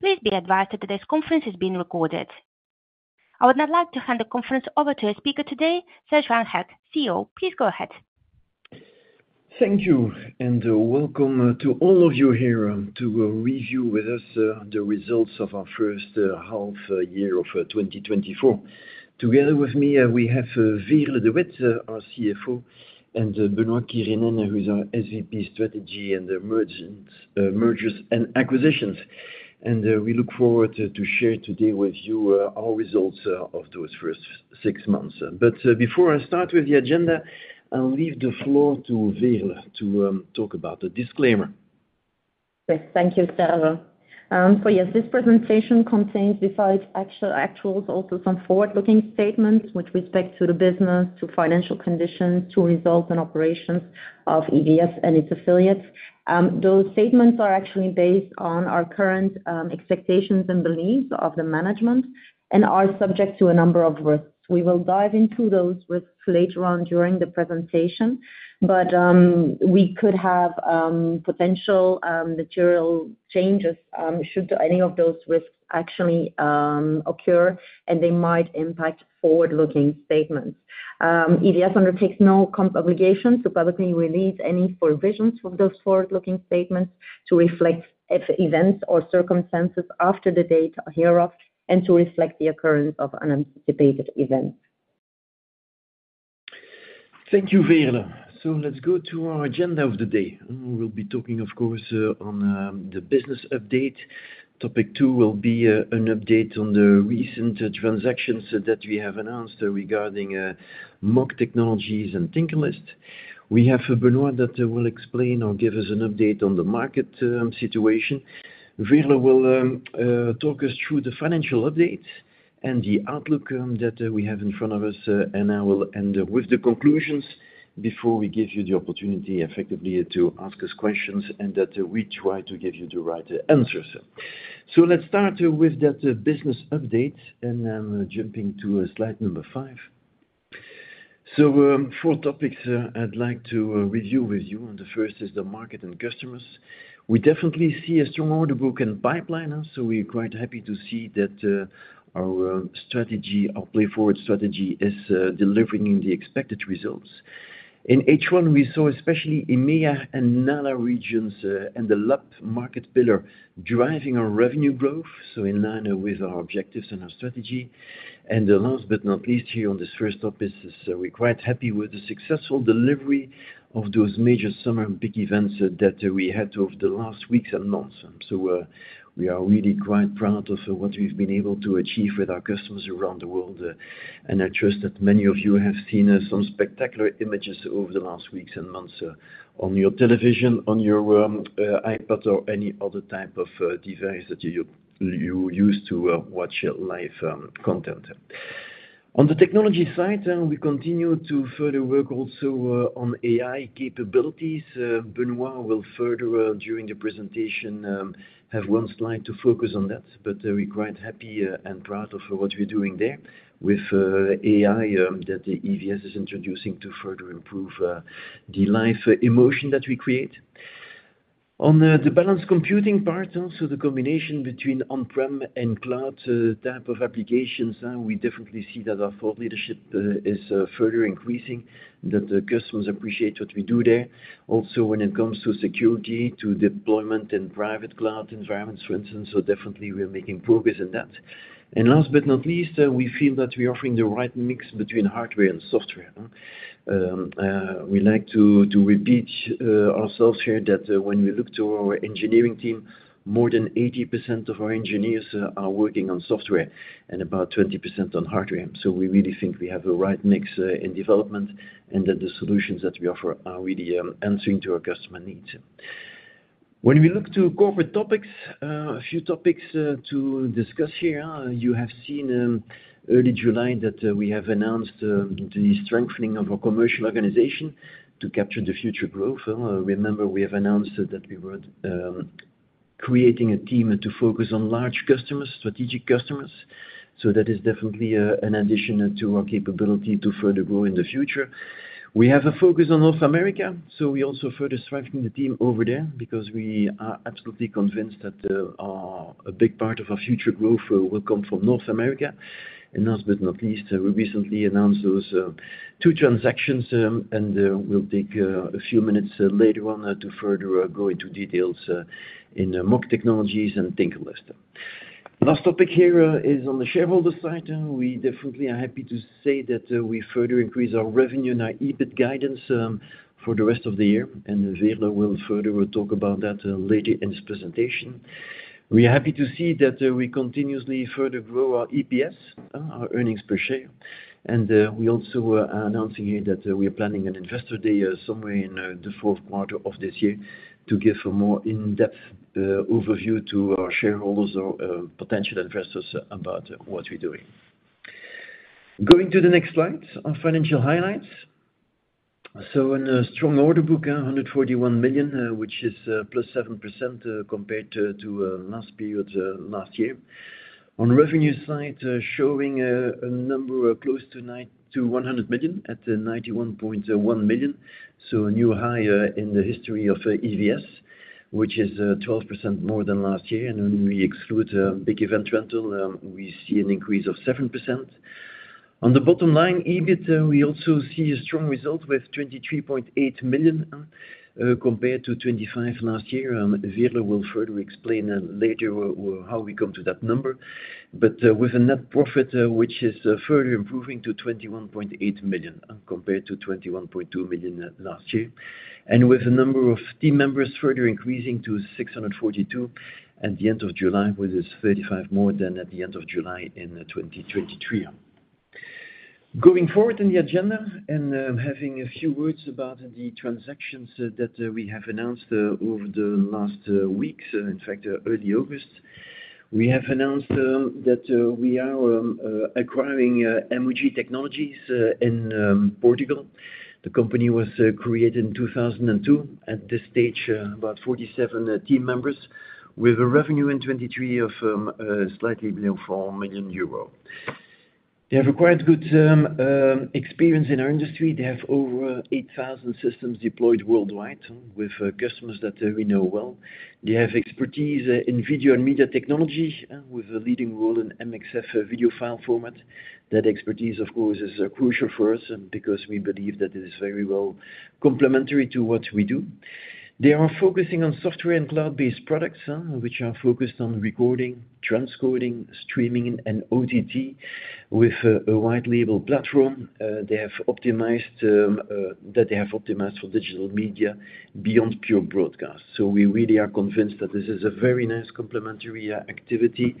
Please be advised that today's conference is being recorded. I would now like to hand the conference over to a speaker today, Serge Van Herck, CEO. Please go ahead. Thank you, and welcome to all of you here to review with us the results of our first half year of 2024. Together with me we have Veerle De Wit, our CFO, and Benoit Quirynen, who is our SVP Strategy and Mergers and Acquisitions. And we look forward to share today with you our results of those first six months. But before I start with the agenda, I'll leave the floor to Veerle to talk about the disclaimer. Yes, thank you, Serge. So yes, this presentation contains, besides actual, actuals, also some forward-looking statements with respect to the business, to financial conditions, to results and operations of EVS and its affiliates. Those statements are actually based on our current expectations and beliefs of the management, and are subject to a number of risks. We will dive into those risks later on during the presentation, but we could have potential material changes should any of those risks actually occur, and they might impact forward-looking statements. EVS undertakes no obligation to publicly release any revisions to those forward-looking statements to reflect events or circumstances after the date hereof, and to reflect the occurrence of unanticipated events. Thank you, Veerle. So let's go to our agenda of the day. We'll be talking, of course, on the business update. Topic two will be a, an update on the recent transactions that we have announced regarding MOG Technologies and TinkerList. We have Benoit that will explain or give us an update on the market situation. Veerle will talk us through the financial update and the outlook that we have in front of us, and I will end up with the conclusions before we give you the opportunity effectively to ask us questions, and that we try to give you the right answers. So let's start with that business update, and I'm jumping to slide number five. So, four topics, I'd like to review with you, and the first is the market and customers. We definitely see a strong order book and pipeline, so we're quite happy to see that, our strategy, our PLAYForward strategy, is delivering the expected results. In H1, we saw especially EMEA and other regions, and the LAB market pillar driving our revenue growth, so in line with our objectives and our strategy. And the last but not least, here on this first topic is, we're quite happy with the successful delivery of those major summer big events that we had over the last weeks and months. So, we are really quite proud of what we've been able to achieve with our customers around the world. I trust that many of you have seen some spectacular images over the last weeks and months on your television, on your iPad or any other type of device that you use to watch live content. On the technology side, we continue to further work also on AI capabilities. Benoit will further during the presentation have one slide to focus on that, but we're quite happy and proud of what we're doing there with AI that EVS is introducing to further improve the live emotion that we create. On the balanced computing part, also the combination between on-prem and cloud type of applications, we definitely see that our thought leadership is further increasing, that the customers appreciate what we do there. Also, when it comes to security, to deployment and private cloud environments, for instance, so definitely we're making progress on that. And last but not least, we feel that we're offering the right mix between hardware and software. We like to repeat ourselves here that, when we look to our engineering team, more than 80% of our engineers are working on software and about 20% on hardware. So we really think we have the right mix in development, and that the solutions that we offer are really answering to our customer needs. When we look to corporate topics, a few topics to discuss here, you have seen early July that we have announced the strengthening of our commercial organization to capture the future growth. Remember, we have announced that we were creating a team to focus on large customers, strategic customers, so that is definitely an addition to our capability to further grow in the future. We have a focus on North America, so we're also further strengthening the team over there because we are absolutely convinced that a big part of our future growth will come from North America. And last but not least, we recently announced those two transactions, and we'll take a few minutes later on to further go into details in MOG Technologies and TinkerList. Last topic here is on the shareholder side, and we definitely are happy to say that we further increased our revenue and our EBIT guidance for the rest of the year, and Veerle will further talk about that later in this presentation. We are happy to see that we continuously further grow our EPS, our earnings per share. We also are announcing here that we are planning an investor day somewhere in the fourth quarter of this year to give a more in-depth overview to our shareholders or potential investors about what we're doing. Going to the next slide, our financial highlights. So in a strong order book, 141 million, which is +7% compared to last year. On the revenue side, showing a number close to 91 million at the 91.1 million. So a new high in the history of EVS, which is 12% more than last year. When we exclude big event rental, we see an increase of 7%. On the bottom line, EBIT, we also see a strong result with 23.8 million compared to 25 million last year. Veerle will further explain later how we come to that number. But with a net profit which is further improving to 21.8 million compared to 21.2 million last year, and with the number of team members further increasing to 642 at the end of July, which is 35 more than at the end of July in 2023. Going forward in the agenda and having a few words about the transactions that we have announced over the last weeks, in fact, early August. We have announced that we are acquiring MOG Technologies in Portugal. The company was created in 2002. At this stage, about 47 team members with a revenue in 2023 of slightly below 4 million euro. They have a quite good experience in our industry. They have over 8,000 systems deployed worldwide, with customers that we know well. They have expertise in video and media technology, with a leading role in MXF video file format. That expertise, of course, is crucial for us, because we believe that it is very well complementary to what we do. They are focusing on software and cloud-based products, which are focused on recording, transcoding, streaming, and OTT with a wide label platform. They have optimized for digital media beyond pure broadcast. So we really are convinced that this is a very nice complementary activity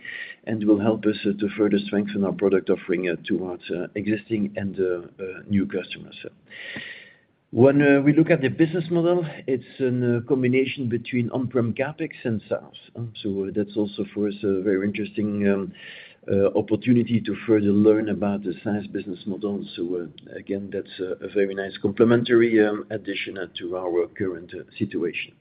and will help us to further strengthen our product offering towards existing and new customers. When we look at the business model, it's a combination between on-prem CapEx and SaaS. So that's also, for us, a very interesting opportunity to further learn about the SaaS business model. So again, that's a very nice complementary addition to our current situation.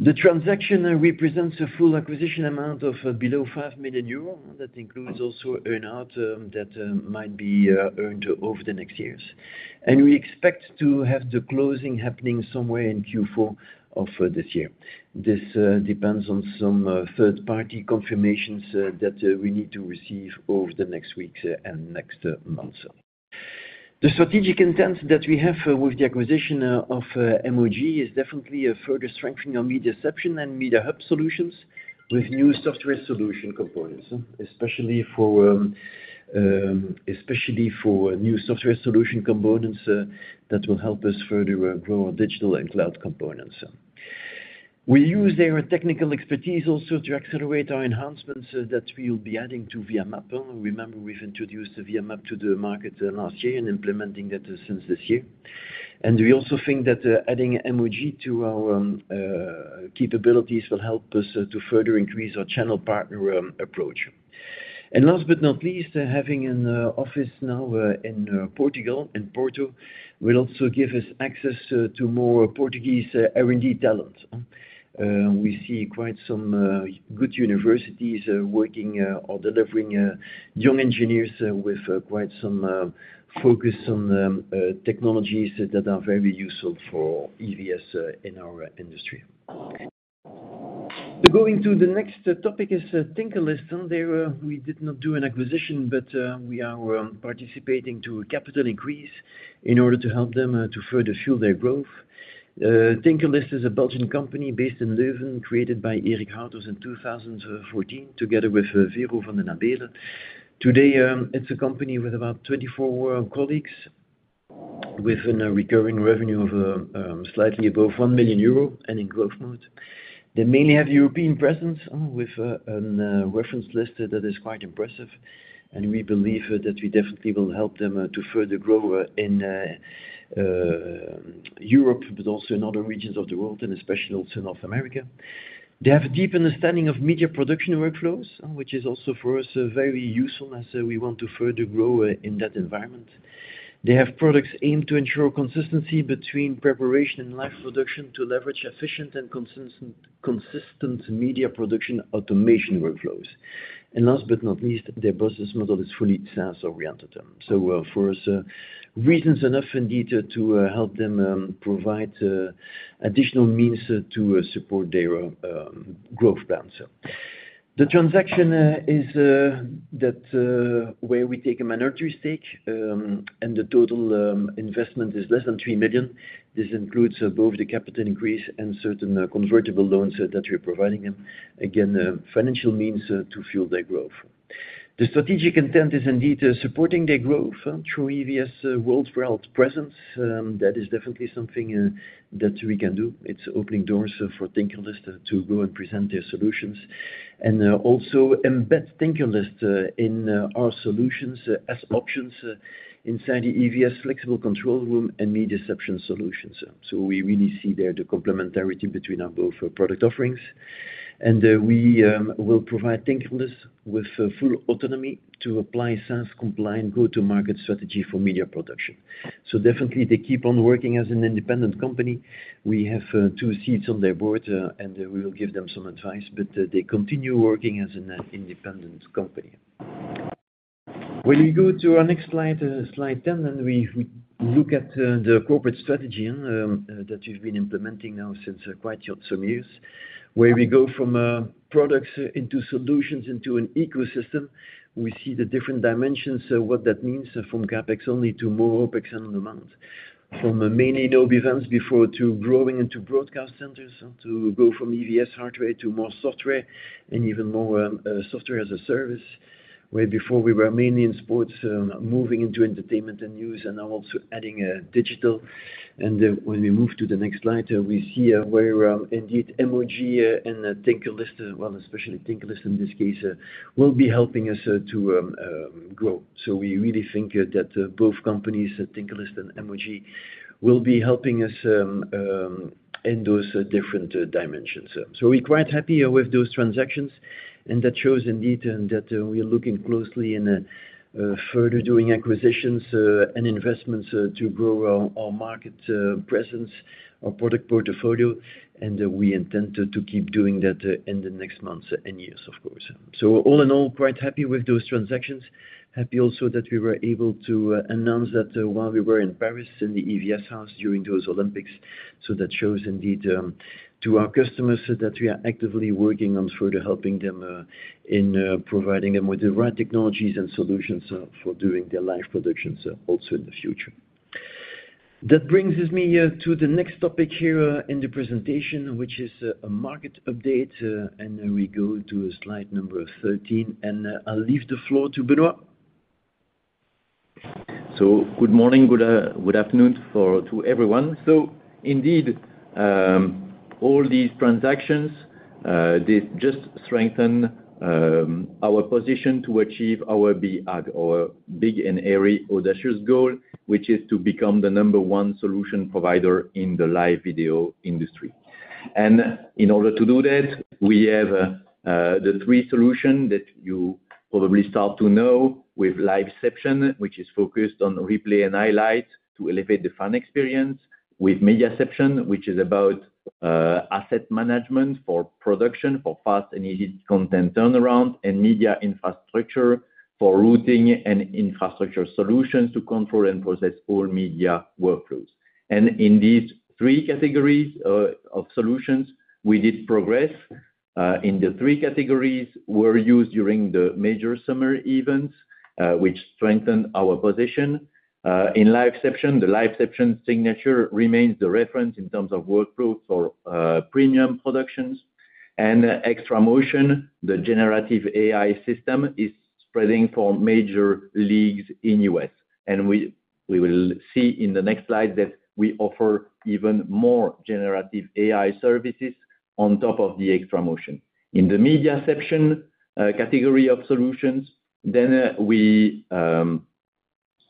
The transaction represents a full acquisition amount of below 5 million euro. That includes also earn-out that might be earned over the next years. We expect to have the closing happening somewhere in Q4 of this year. This depends on some third-party confirmations that we need to receive over the next weeks and next months. The strategic intent that we have with the acquisition of MOG is definitely a further strengthening our MediaCeption and MediaHub solutions with new software solution components, especially for new software solution components that will help us further grow our digital and cloud components. We use their technical expertise also to accelerate our enhancements that we'll be adding to VIA MAP. Remember, we've introduced the VIA MAP to the market last year and implementing that since this year. And we also think that adding MOG to our capabilities will help us to further increase our channel partner approach. Last but not least, having an office now in Portugal, in Porto, will also give us access to more Portuguese R&D talent. We see quite some good universities working or delivering young engineers with quite some focus on technologies that are very useful for EVS in our industry. Going to the next topic is TinkerList. There, we did not do an acquisition, but we are participating to a capital increase in order to help them to further fuel their growth. TinkerList is a Belgian company based in Leuven, created by Erik Hauters in 2014, together with Vero Vanden Abeele. Today, it's a company with about 24 colleagues, with a recurring revenue of slightly above 1 million euro and in growth mode. They mainly have European presence, with a reference list that is quite impressive, and we believe that we definitely will help them to further grow in Europe, but also in other regions of the world, and especially also in North America. They have a deep understanding of media production workflows, which is also, for us, a very useful as we want to further grow in that environment. They have products aimed to ensure consistency between preparation and live production, to leverage efficient and consistent media production automation workflows. And last but not least, their business model is fully sales-oriented. So, for us, reasons enough indeed to help them provide additional means to support their growth plans. The transaction is that where we take a minority stake, and the total investment is less than 3 million. This includes above the capital increase and certain convertible loans that we're providing them. Again, financial means to fuel their growth. The strategic intent is indeed supporting their growth through EVS worldwide presence. That is definitely something that we can do. It's opening doors for TinkerList to go and present their solutions, and also embed TinkerList in our solutions as options inside the EVS Flexible Control Room and MediaCeption solutions. So we really see there the complementarity between our both product offerings, and we will provide TinkerList with full autonomy to apply sales compliant go-to-market strategy for media production. So definitely, they keep on working as an independent company. We have two seats on their board, and we will give them some advice, but they continue working as an independent company.... When you go to our next slide, slide 10, and we, we look at the corporate strategy that you've been implementing now since quite some years, where we go from products into solutions into an ecosystem. We see the different dimensions, so what that means from CapEx only to more OpEx and demands. From mainly OB events before, to growing into broadcast centers, to go from EVS hardware to more software, and even more software as a service. Where before we were mainly in sports, moving into entertainment and news, and now also adding digital. And when we move to the next slide, we see where indeed MOG and TinkerList, well, especially TinkerList in this case, will be helping us to grow. So we really think that both companies, TinkerList and MOG, will be helping us in those different dimensions. So we're quite happy with those transactions, and that shows indeed in that we are looking closely and further doing acquisitions and investments to grow our market presence, our product portfolio, and we intend to keep doing that in the next months and years, of course. So all in all, quite happy with those transactions. Happy also that we were able to announce that while we were in Paris, in the EVS House during those Olympics. So that shows indeed to our customers that we are actively working on further helping them in providing them with the right technologies and solutions for doing their live productions also in the future. That brings me to the next topic here in the presentation, which is a market update, and then we go to slide number 13, and I'll leave the floor to Benoit. So good morning, good afternoon to everyone. So indeed, all these transactions, they just strengthen our position to achieve our BHAG, our big and hairy audacious goal, which is to become the number one solution provider in the live video industry. And in order to do that, we have the three solution that you probably start to know with LiveCeption, which is focused on replay and highlight to elevate the fan experience. With MediaCeption, which is about asset management for production, for fast and easy content turnaround, and MediaInfrastructure for routing and infrastructure solutions to control and process all media workflows. And in these three categories of solutions, we did progress. In the three categories were used during the major summer events, which strengthened our position. In LiveCeption, the LiveCeption Signature remains the reference in terms of workflows for premium productions. And XtraMotion, the generative AI system, is spreading for major leagues in U.S. And we will see in the next slide that we offer even more generative AI services on top of the XtraMotion. In the MediaCeption category of solutions, we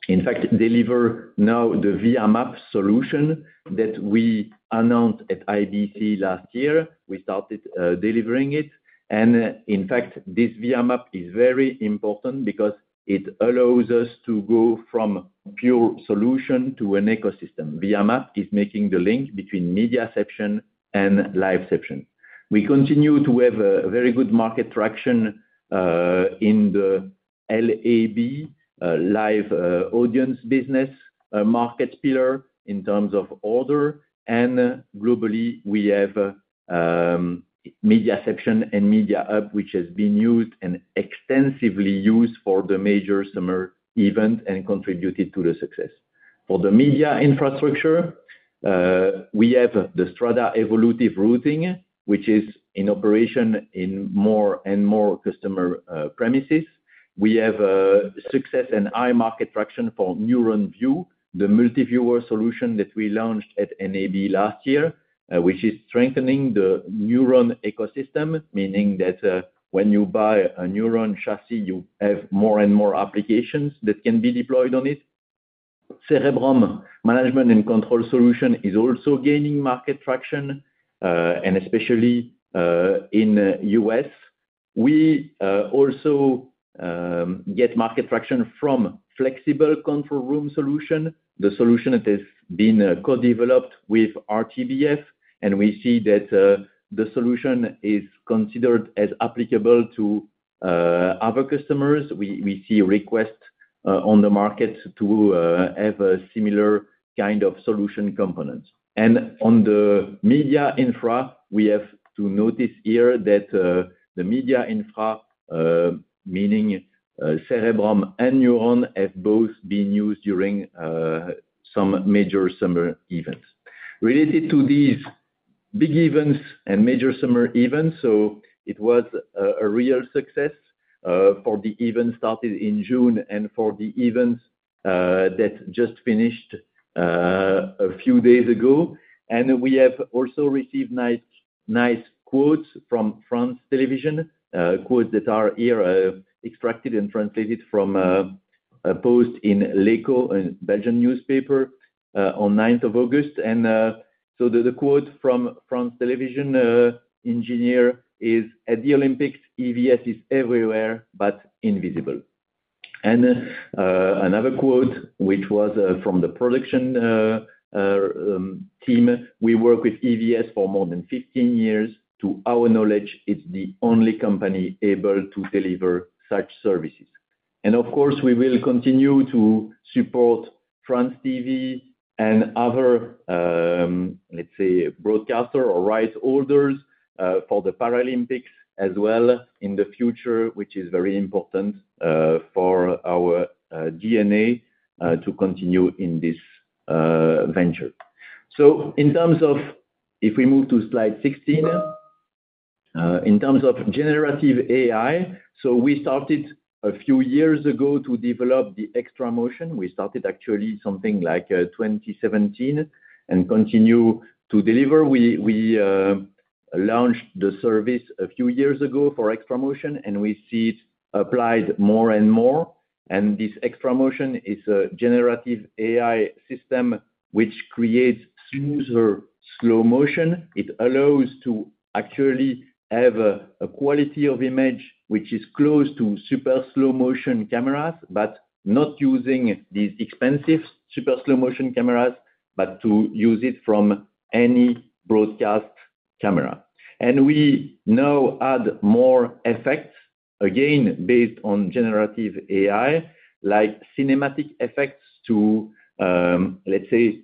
in fact deliver now the VIA MAP solution that we announced at IBC last year. We started delivering it. And, in fact, this VIA MAP is very important because it allows us to go from pure solution to an ecosystem. VIA MAP is making the link between MediaCeption and LiveCeption. We continue to have a very good market traction in the LAB, live audience business market pillar in terms of order. Globally, we have MediaCeption and MediaHub, which has been used and extensively used for the major summer event and contributed to the success. For the MediaInfrastructure, we have the Strada Evolutive Routing, which is in operation in more and more customer premises. We have success and high market traction for Neuron View, the multi-viewer solution that we launched at NAB last year, which is strengthening the Neuron ecosystem, meaning that when you buy a Neuron chassis, you have more and more applications that can be deployed on it. Cerebrum management and control solution is also gaining market traction, and especially in U.S. We also get market traction from Flexible Control Room solution, the solution that has been co-developed with RTBF, and we see that the solution is considered as applicable to other customers. We see requests on the market to have a similar kind of solution components. And on the MediaInfra, we have to notice here that the MediaInfra, meaning Cerebrum and Neuron, have both been used during some major summer events. Related to these big events and major summer events, so it was a real success for the event started in June and for the events that just finished a few days ago. And we have also received nice, nice quotes from France Télévisions, quotes that are here extracted and translated from a post in L'Écho, a Belgian newspaper, on ninth of August. And, so the, the quote from France Télévisions, engineer is: "At the Olympics, EVS is everywhere, but invisible." And, another quote, which was, from the production, team: "We work with EVS for more than 15 years. To our knowledge, it's the only company able to deliver such services." And of course, we will continue to support France TV and other, let's say, broadcaster or rights holders, for the Paralympics as well in the future, which is very important, for our, DNA, to continue in this, venture. So in terms of, if we move to slide 16, in terms of generative AI, so we started a few years ago to develop the XtraMotion. We started actually something like, 2017, and continue to deliver. We launched the service a few years ago for XtraMotion, and we see it applied more and more. And this XtraMotion is a generative AI system which creates smoother slow motion. It allows to actually have a quality of image which is close to super slow motion cameras, but not using these expensive super slow motion cameras, but to use it from any broadcast camera. And we now add more effects, again, based on generative AI, like cinematic effects to, let's say,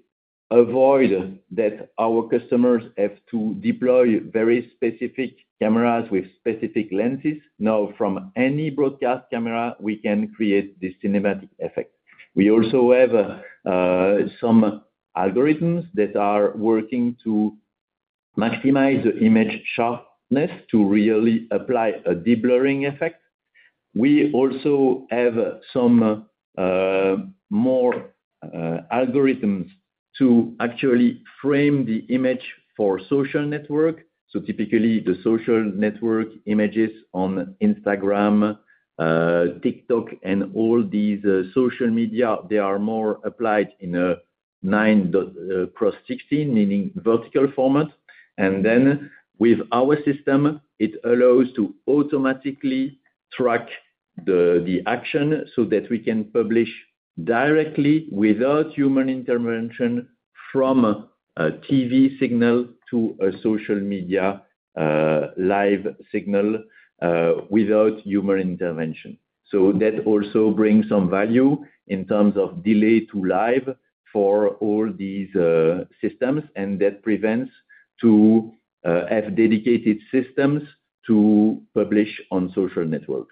avoid that our customers have to deploy very specific cameras with specific lenses. Now, from any broadcast camera, we can create this cinematic effect. We also have some algorithms that are working to maximize the image sharpness to really apply a deblurring effect. We also have some more algorithms to actually frame the image for social network. So typically, the social network images on Instagram, TikTok, and all these social media, they are more applied in a 9:16, meaning vertical format. And then with our system, it allows to automatically track the action so that we can publish directly without human intervention from a TV signal to a social media live signal without human intervention. So that also brings some value in terms of delay to live for all these systems, and that prevents to have dedicated systems to publish on social network.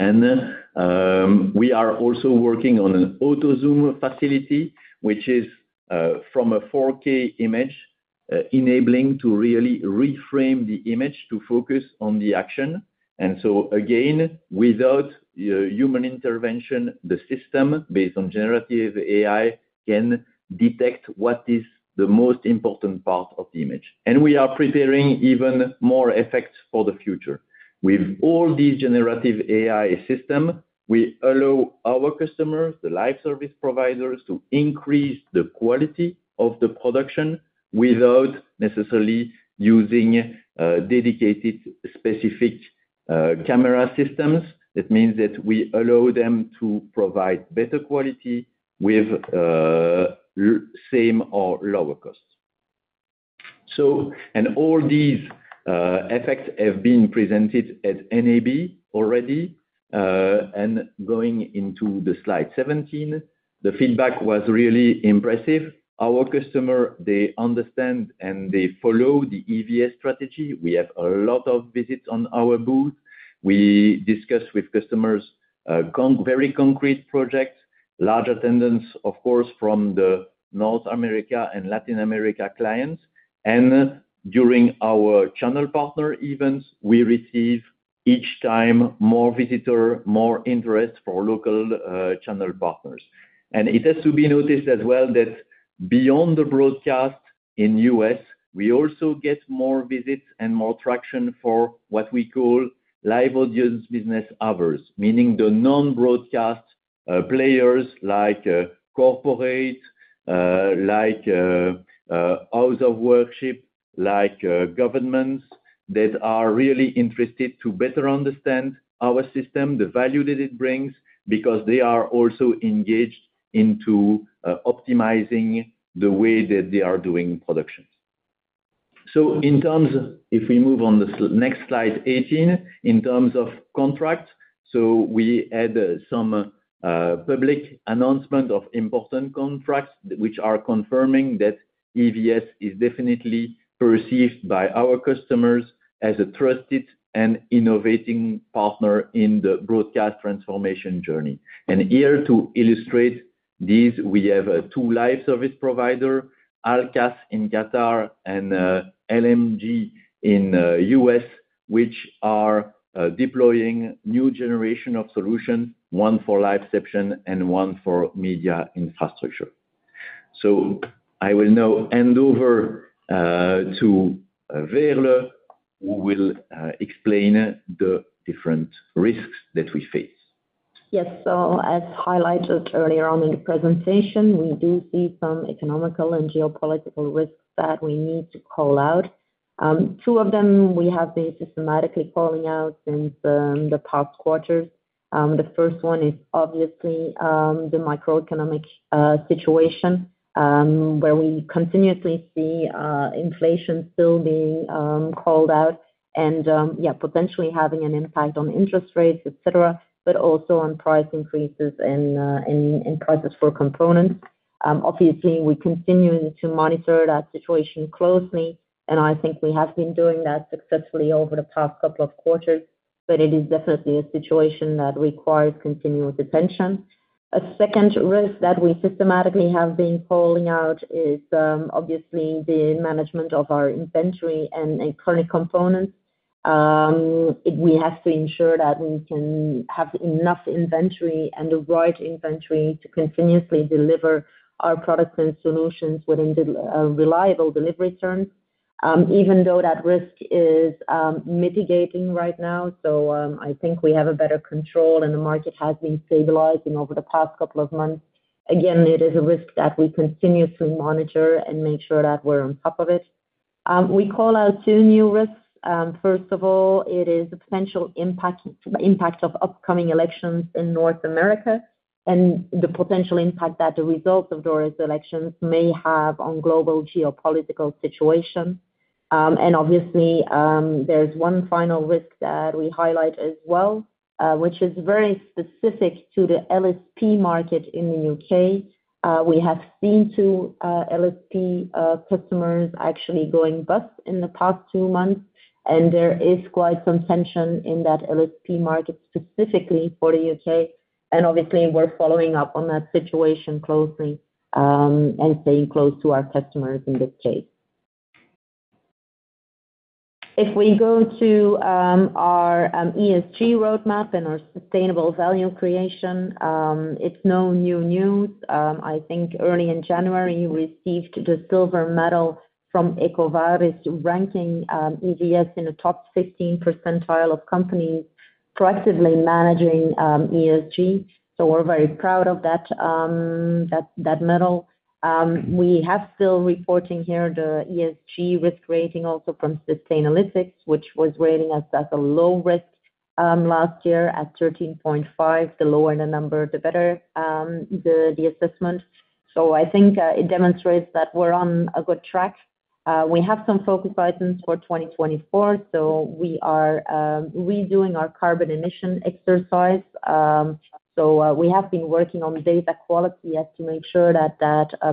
And we are also working on an auto zoom facility, which is from a 4K image enabling to really reframe the image to focus on the action. And so again, without human intervention, the system, based on Generative AI, can detect what is the most important part of the image. And we are preparing even more effects for the future. With all these Generative AI system, we allow our customers, the live service providers, to increase the quality of the production without necessarily using dedicated, specific camera systems. That means that we allow them to provide better quality with same or lower costs. So, and all these effects have been presented at NAB already. And going into the slide 17, the feedback was really impressive. Our customer, they understand, and they follow the EVS strategy. We have a lot of visits on our booth. We discuss with customers very concrete projects, large attendance, of course, from the North America and Latin America clients. And during our channel partner events, we receive each time more visitor, more interest for local channel partners. And it has to be noticed as well that beyond the broadcast in U.S., we also get more visits and more traction for what we call live audience business others, meaning the non-broadcast players like corporate like house of worship like governments that are really interested to better understand our system, the value that it brings, because they are also engaged into optimizing the way that they are doing productions. So if we move on the next slide, 18. In terms of contracts, so we had some public announcement of important contracts, which are confirming that EVS is definitely perceived by our customers as a trusted and innovating partner in the broadcast transformation journey. Here, to illustrate this, we have two live service provider, Al Kass in Qatar and LMG in the U.S., which are deploying new generation of solutions, one for LiveCeption and one for MediaInfra. So I will now hand over to Veerle, who will explain the different risks that we face. Yes. So as highlighted earlier on in the presentation, we do see some economic and geopolitical risks that we need to call out. Two of them, we have been systematically calling out since the past quarters. The first one is obviously the macroeconomic situation where we continuously see inflation still being called out, and yeah, potentially having an impact on interest rates, et cetera, but also on price increases and in prices for components. Obviously, we're continuing to monitor that situation closely, and I think we have been doing that successfully over the past couple of quarters, but it is definitely a situation that requires continuous attention. A second risk that we systematically have been calling out is obviously the management of our inventory and current components. We have to ensure that we can have enough inventory and the right inventory to continuously deliver our products and solutions within the reliable delivery terms. Even though that risk is mitigating right now, so I think we have a better control, and the market has been stabilizing over the past couple of months. Again, it is a risk that we continue to monitor and make sure that we're on top of it. We call out two new risks. First of all, it is the potential impact, impact of upcoming elections in North America and the potential impact that the results of those elections may have on global geopolitical situation. And obviously, there's one final risk that we highlight as well, which is very specific to the LSP market in the U.K. We have seen two LSP customers actually going bust in the past two months, and there is quite some tension in that LSP market, specifically for the U.K. And obviously, we're following up on that situation closely, and staying close to our customers in this case. If we go to our ESG roadmap and our sustainable value creation, it's no new news. I think early in January, we received the silver medal from EcoVadis, ranking EVS in the top 15 percentile of companies proactively managing ESG, so we're very proud of that medal. We have still reporting here the ESG risk rating, also from Sustainalytics, which was rating us as a low risk last year at 13.5. The lower the number, the better the assessment. So I think it demonstrates that we're on a good track. We have some focus items for 2024, so we are redoing our carbon emission exercise. So we have been working on data quality as to make sure that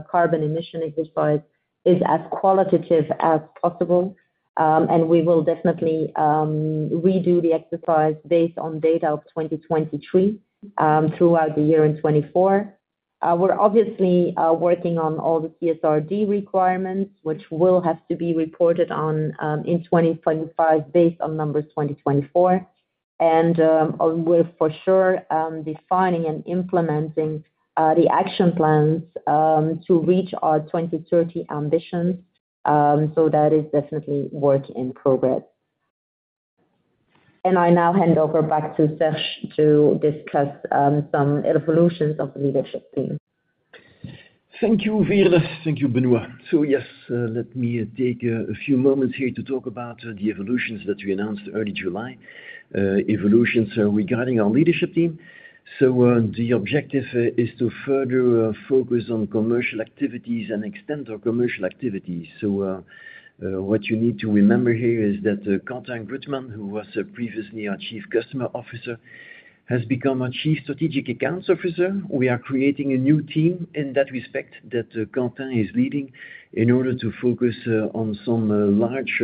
carbon emission exercise is as qualitative as possible. And we will definitely redo the exercise based on data of 2023, throughout the year in 2024. We're obviously working on all the CSRD requirements, which will have to be reported on in 2025, based on numbers 2024. And we're for sure defining and implementing the action plans to reach our 2030 ambitions. So that is definitely work in progress. And I now hand over back to Serge to discuss some evolutions of the leadership team. Thank you, Veerle. Thank you, Benoit. So yes, let me take a few moments here to talk about the evolutions that we announced early July, evolutions regarding our leadership team. So, the objective is to further focus on commercial activities and extend our commercial activities. So, what you need to remember here is that, Quentin Grutman, who was previously our Chief Customer Officer, has become our Chief Strategic Accounts Officer. We are creating a new team in that respect, that Quentin is leading, in order to focus on some large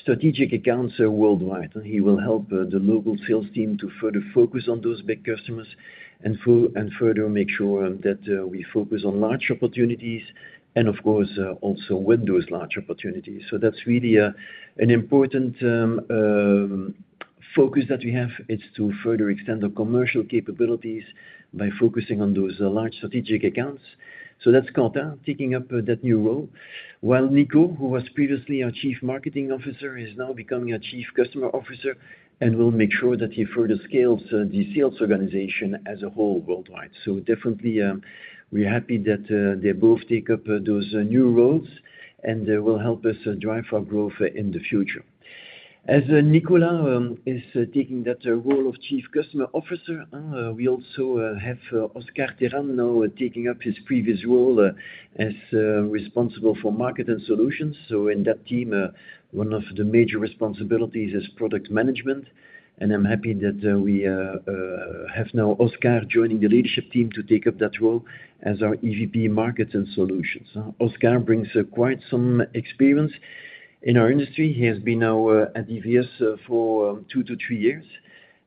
strategic accounts worldwide. He will help the local sales team to further focus on those big customers, and further make sure that we focus on large opportunities and of course also win those large opportunities. So that's really an important focus that we have, is to further extend the commercial capabilities by focusing on those large strategic accounts. So that's Quentin taking up that new role. While Nico, who was previously our Chief Marketing Officer, is now becoming our Chief Customer Officer, and will make sure that he further scales the sales organization as a whole worldwide. So definitely, we're happy that they both take up those new roles, and will help us drive our growth in the future. As Nicolas is taking that role of Chief Customer Officer, we also have Oscar Teran now taking up his previous role as responsible for Markets and Solutions. So in that team, one of the major responsibilities is product management, and I'm happy that we have now Oscar joining the leadership team to take up that role as our EVP Markets and Solutions. Oscar brings quite some experience in our industry. He has been now at EVS for two to three years,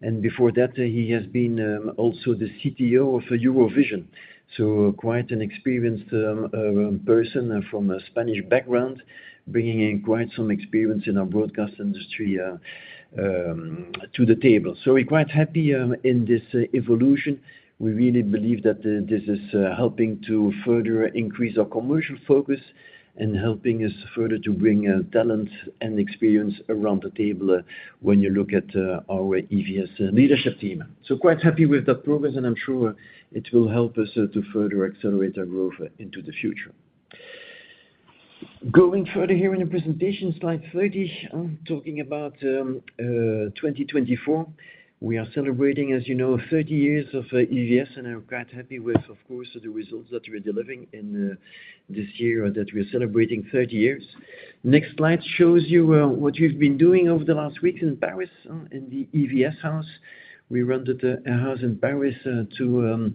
and before that, he has been also the CTO of Eurovision Services. So quite an experienced person from a Spanish background, bringing in quite some experience in our broadcast industry to the table. So we're quite happy in this evolution. We really believe that this is helping to further increase our commercial focus and helping us further to bring talent and experience around the table when you look at our EVS leadership team. So quite happy with that progress, and I'm sure it will help us to further accelerate our growth into the future. Going further here in the presentation, slide 30, I'm talking about 2024. We are celebrating, as you know, 30 years of EVS, and I'm quite happy with, of course, the results that we're delivering in this year, that we're celebrating 30 years. Next slide shows you what you've been doing over the last week in Paris in the EVS House. We rented a house in Paris to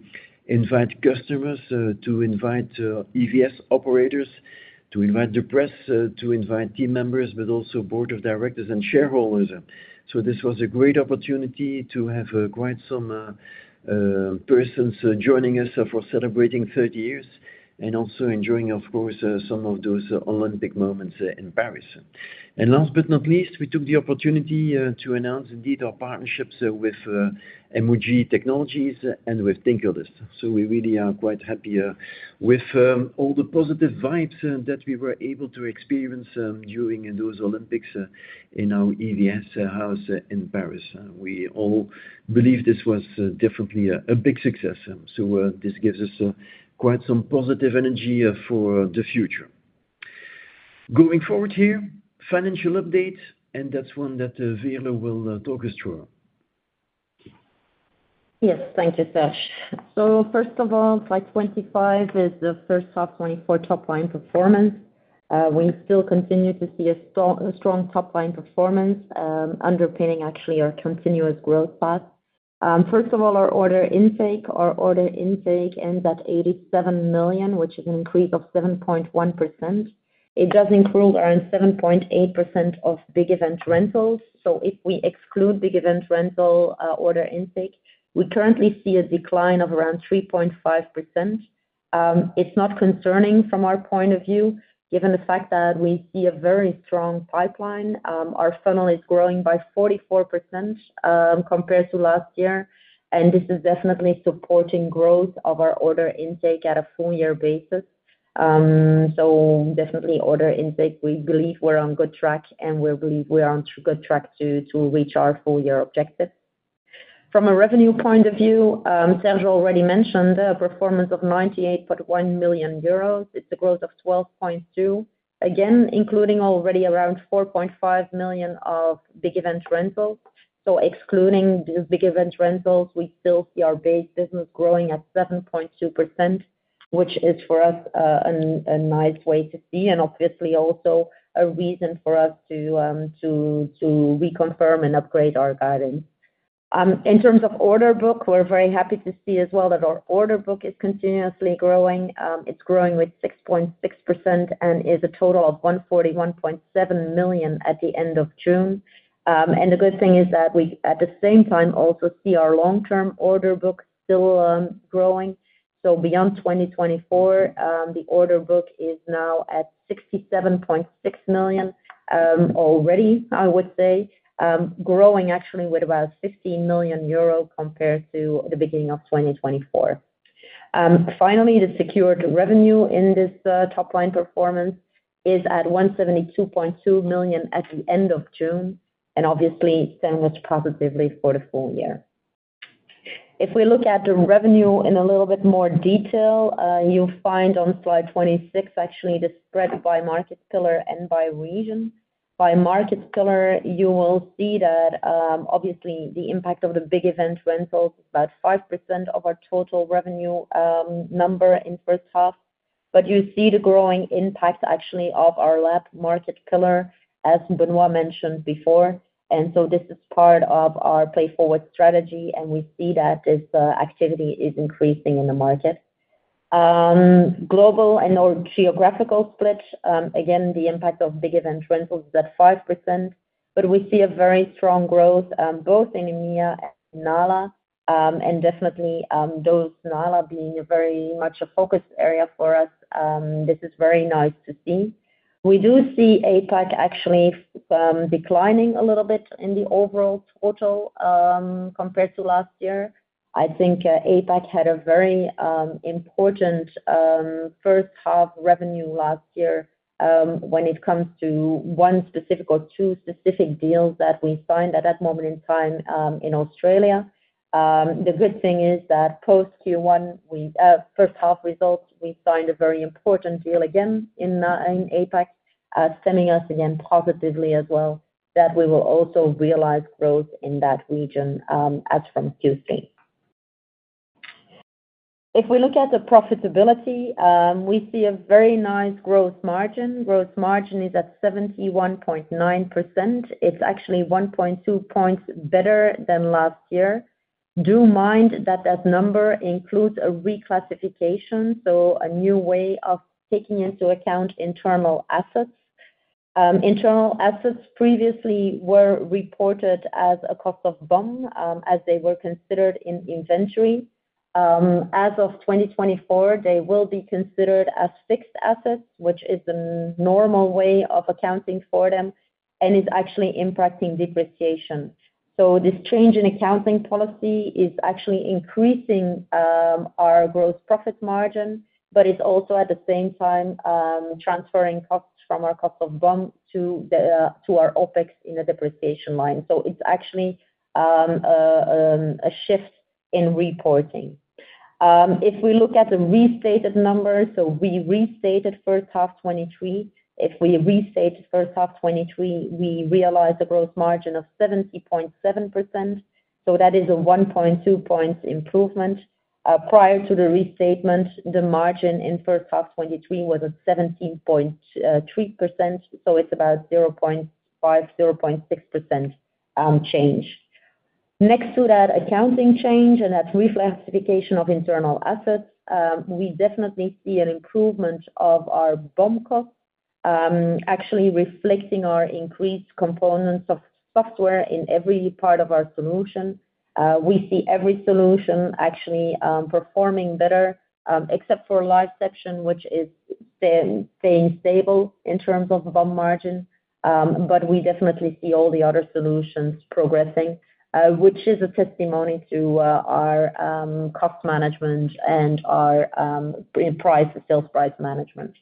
invite customers to invite EVS operators, to invite the press to invite team members, but also board of directors and shareholders. So this was a great opportunity to have quite some persons joining us for celebrating thirty years, and also enjoying, of course, some of those Olympic moments in Paris. And last but not least, we took the opportunity to announce indeed our partnerships with MOG Technologies and with TinkerList. So we really are quite happy with all the positive vibes that we were able to experience during those Olympics in our EVS house in Paris. We all believe this was definitely a big success. So this gives us quite some positive energy for the future. Going forward here, financial update, and that's one that Veerle will talk us through. Yes, thank you, Serge. So first of all, slide 25 is the first half 2024 top-line performance. We still continue to see a strong, a strong top-line performance, underpinning actually our continuous growth path. First of all, our order intake. Our order intake ends at 87 million, which is an increase of 7.1%. It does include around 7.8% of big event rentals. So if we exclude big event rental, order intake, we currently see a decline of around 3.5%. It's not concerning from our point of view, given the fact that we see a very strong pipeline. Our funnel is growing by 44%, compared to last year, and this is definitely supporting growth of our order intake at a full year basis. So definitely order intake, we believe we're on good track, and we believe we are on good track to reach our full year objective. From a revenue point of view, Serge already mentioned a performance of 98.1 million euros. It's a growth of 12.2. Again, including already around 4.5 million of big event rentals. So excluding the big event rentals, we still see our base business growing at 7.2%, which is for us a nice way to see, and obviously also a reason for us to reconfirm and upgrade our guidance. In terms of order book, we're very happy to see as well that our order book is continuously growing. It's growing with 6.6% and is a total of 141.7 million at the end of June. The good thing is that we, at the same time, also see our long-term order book still growing. Beyond 2024, the order book is now at 67.6 million, already, I would say. Growing actually with about 15 million euro compared to the beginning of 2024. Finally, the secured revenue in this top-line performance is at 172.2 million at the end of June, and obviously sandwiched positively for the full year. If we look at the revenue in a little bit more detail, you'll find on slide 26, actually, the spread by market pillar and by region. By market pillar, you will see that, obviously, the impact of the big event rentals, about 5% of our total revenue, number in first half. But you see the growing impact, actually, of our LAB market pillar, as Benoit mentioned before. And so this is part of our PLAYForward strategy, and we see that this, activity is increasing in the market. Global and/or geographical split, again, the impact of big event rentals is at 5%, but we see a very strong growth, both in EMEA and NALA. And definitely, those NALA being a very much a focus area for us, this is very nice to see. We do see APAC actually, declining a little bit in the overall total, compared to last year. I think APAC had a very important first half revenue last year, when it comes to one specific or two specific deals that we signed at that moment in time, in Australia. The good thing is that post Q1 first half results, we signed a very important deal again in APAC, sending us again positively as well, that we will also realize growth in that region, as from Q3. If we look at the profitability, we see a very nice gross margin. Gross margin is at 71.9%. It's actually 1.2 points better than last year. Do mind that that number includes a reclassification, so a new way of taking into account internal assets. Internal assets previously were reported as a cost of goods, as they were considered in inventory. As of 2024, they will be considered as fixed assets, which is the normal way of accounting for them and is actually impacting depreciation. So this change in accounting policy is actually increasing our gross profit margin, but it's also at the same time transferring costs from our cost of goods to our OpEx in the depreciation line. So it's actually a shift in reporting. If we look at the restated numbers, so we restated first half 2023. If we restated first half 2023, we realized a gross margin of 70.7%, so that is a 1.2-point improvement. Prior to the restatement, the margin in first half 2023 was at 17.3%, so it's about 0.5%-0.6% change. Next to that accounting change and that reclassification of internal assets, we definitely see an improvement of our BOM cost, actually reflecting our increased components of software in every part of our solution. We see every solution actually performing better, except for LiveCeption, which is staying stable in terms of BOM margin. But we definitely see all the other solutions progressing, which is a testimony to our cost management and our sales price management.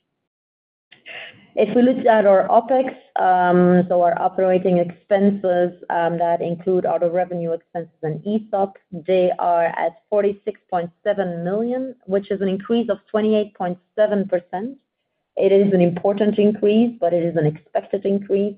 If we look at our OpEx, so our operating expenses that include other revenue expenses and ESOP, they are at 46.7 million, which is an increase of 28.7%. It is an important increase, but it is an expected increase.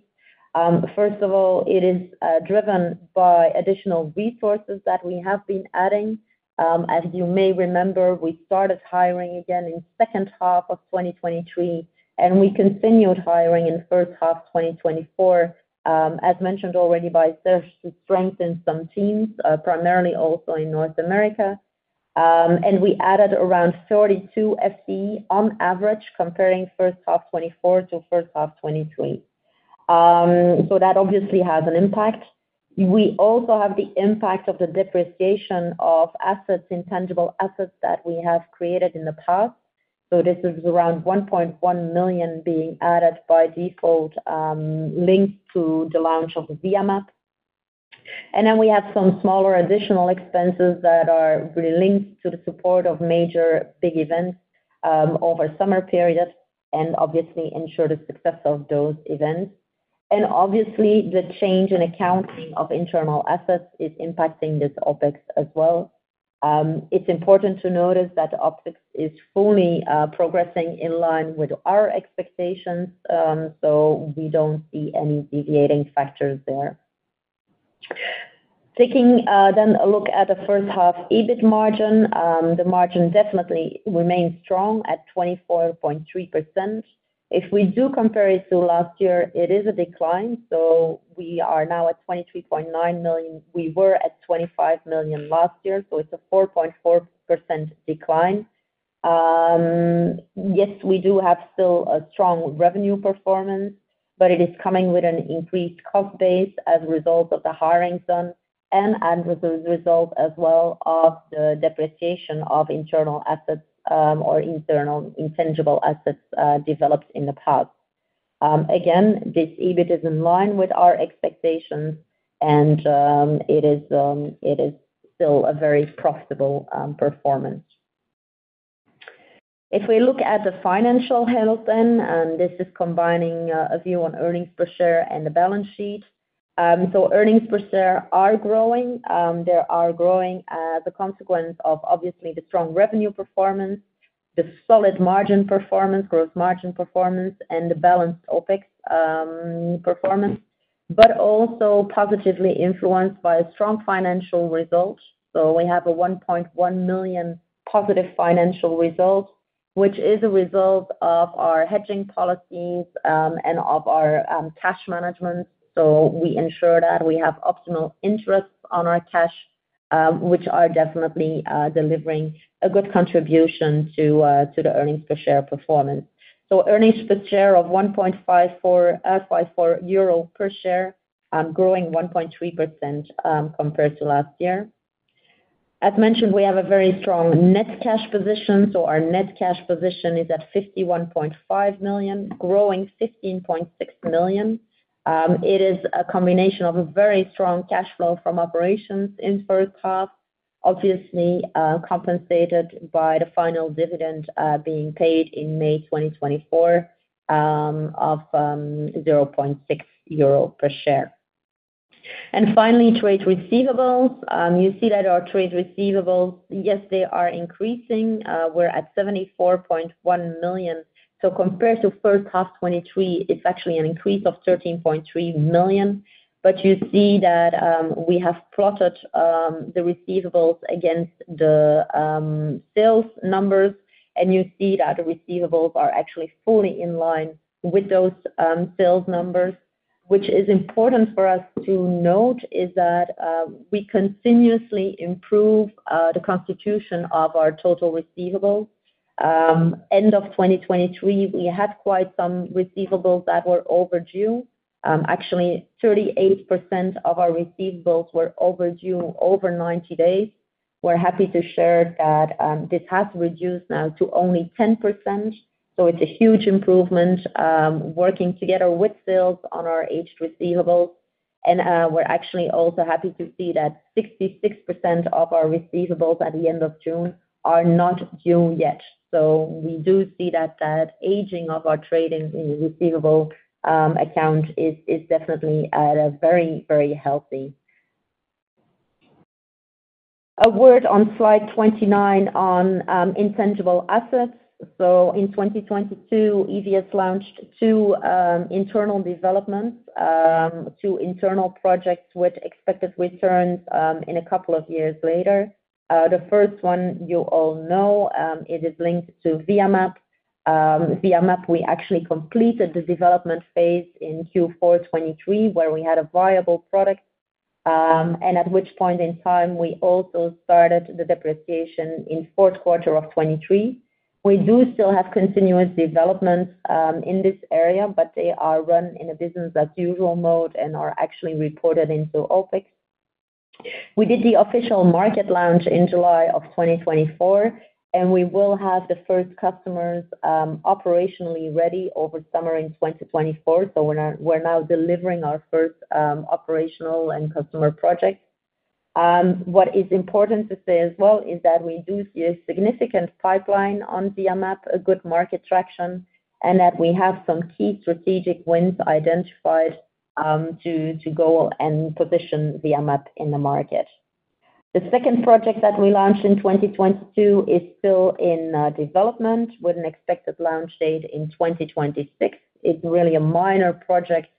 First of all, it is driven by additional resources that we have been adding. As you may remember, we started hiring again in second half of 2023, and we continued hiring in first half 2024. As mentioned already by Serge, to strengthen some teams, primarily also in North America. And we added around 32 FTE on average, comparing first half 2024 to first half 2023. So that obviously has an impact. We also have the impact of the depreciation of assets, intangible assets that we have created in the past. So this is around 1.1 million being added by default, linked to the launch of VIA MAP. And then we have some smaller additional expenses that are really linked to the support of major big events, over summer periods, and obviously ensure the success of those events. And obviously, the change in accounting of internal assets is impacting this OpEx as well. It's important to notice that OpEx is fully progressing in line with our expectations, so we don't see any deviating factors there. Taking then a look at the first half EBIT margin, the margin definitely remains strong at 24.3%. If we do compare it to last year, it is a decline, so we are now at 23.9 million. We were at 25 million last year, so it's a 4.4% decline. Yes, we do have still a strong revenue performance, but it is coming with an increased cost base as a result of the hiring zone and, and with the result as well of the depreciation of internal assets, or internal intangible assets, developed in the past. Again, this EBIT is in line with our expectations, and it is still a very profitable performance. If we look at the financial health then, and this is combining a view on earnings per share and the balance sheet. So earnings per share are growing. They are growing as a consequence of obviously the strong revenue performance, the solid margin performance, gross margin performance, and the balanced OpEx performance, but also positively influenced by strong financial results. So we have a 1.1 million positive financial result, which is a result of our hedging policies and of our cash management. So we ensure that we have optimal interest on our cash, which are definitely delivering a good contribution to the earnings per share performance. So earnings per share of 1.54 EUR per share, growing 1.3%, compared to last year. As mentioned, we have a very strong net cash position, so our net cash position is at 51.5 million, growing 15.6 million. It is a combination of a very strong cash flow from operations in first half, obviously, compensated by the final dividend being paid in May 2024, of 0.6 euro per share. And finally, trade receivables. You see that our trade receivables, yes, they are increasing. We're at 74.1 million. So compared to first half 2023, it's actually an increase of 13.3 million. But you see that, we have plotted, the receivables against the, sales numbers, and you see that the receivables are actually fully in line with those, sales numbers. Which is important for us to note, is that, we continuously improve, the constitution of our total receivables. End of 2023, we had quite some receivables that were overdue. Actually, 38% of our receivables were overdue, over 90 days. We're happy to share that, this has reduced now to only 10%, so it's a huge improvement, working together with sales on our aged receivables. And, we're actually also happy to see that 66% of our receivables at the end of June are not due yet. So we do see that that aging of our trading in receivable, account is, is definitely at a very, very healthy. A word on slide 29 on intangible assets. So in 2022, EVS launched two internal developments, two internal projects with expected returns in a couple of years later. The first one you all know, it is linked to VIA MAP. VIA MAP, we actually completed the development phase in Q4 2023, where we had a viable product, and at which point in time, we also started the depreciation in fourth quarter of 2023. We do still have continuous developments in this area, but they are run in a business as usual mode and are actually reported into OpEx. We did the official market launch in July of 2024, and we will have the first customers operationally ready over summer in 2024. So we're now, we're now delivering our first operational and customer projects. What is important to say as well is that we do see a significant pipeline on VIA MAP, a good market traction, and that we have some key strategic wins identified, to, to go and position VIA MAP in the market. The second project that we launched in 2022 is still in development, with an expected launch date in 2026. It's really a minor project,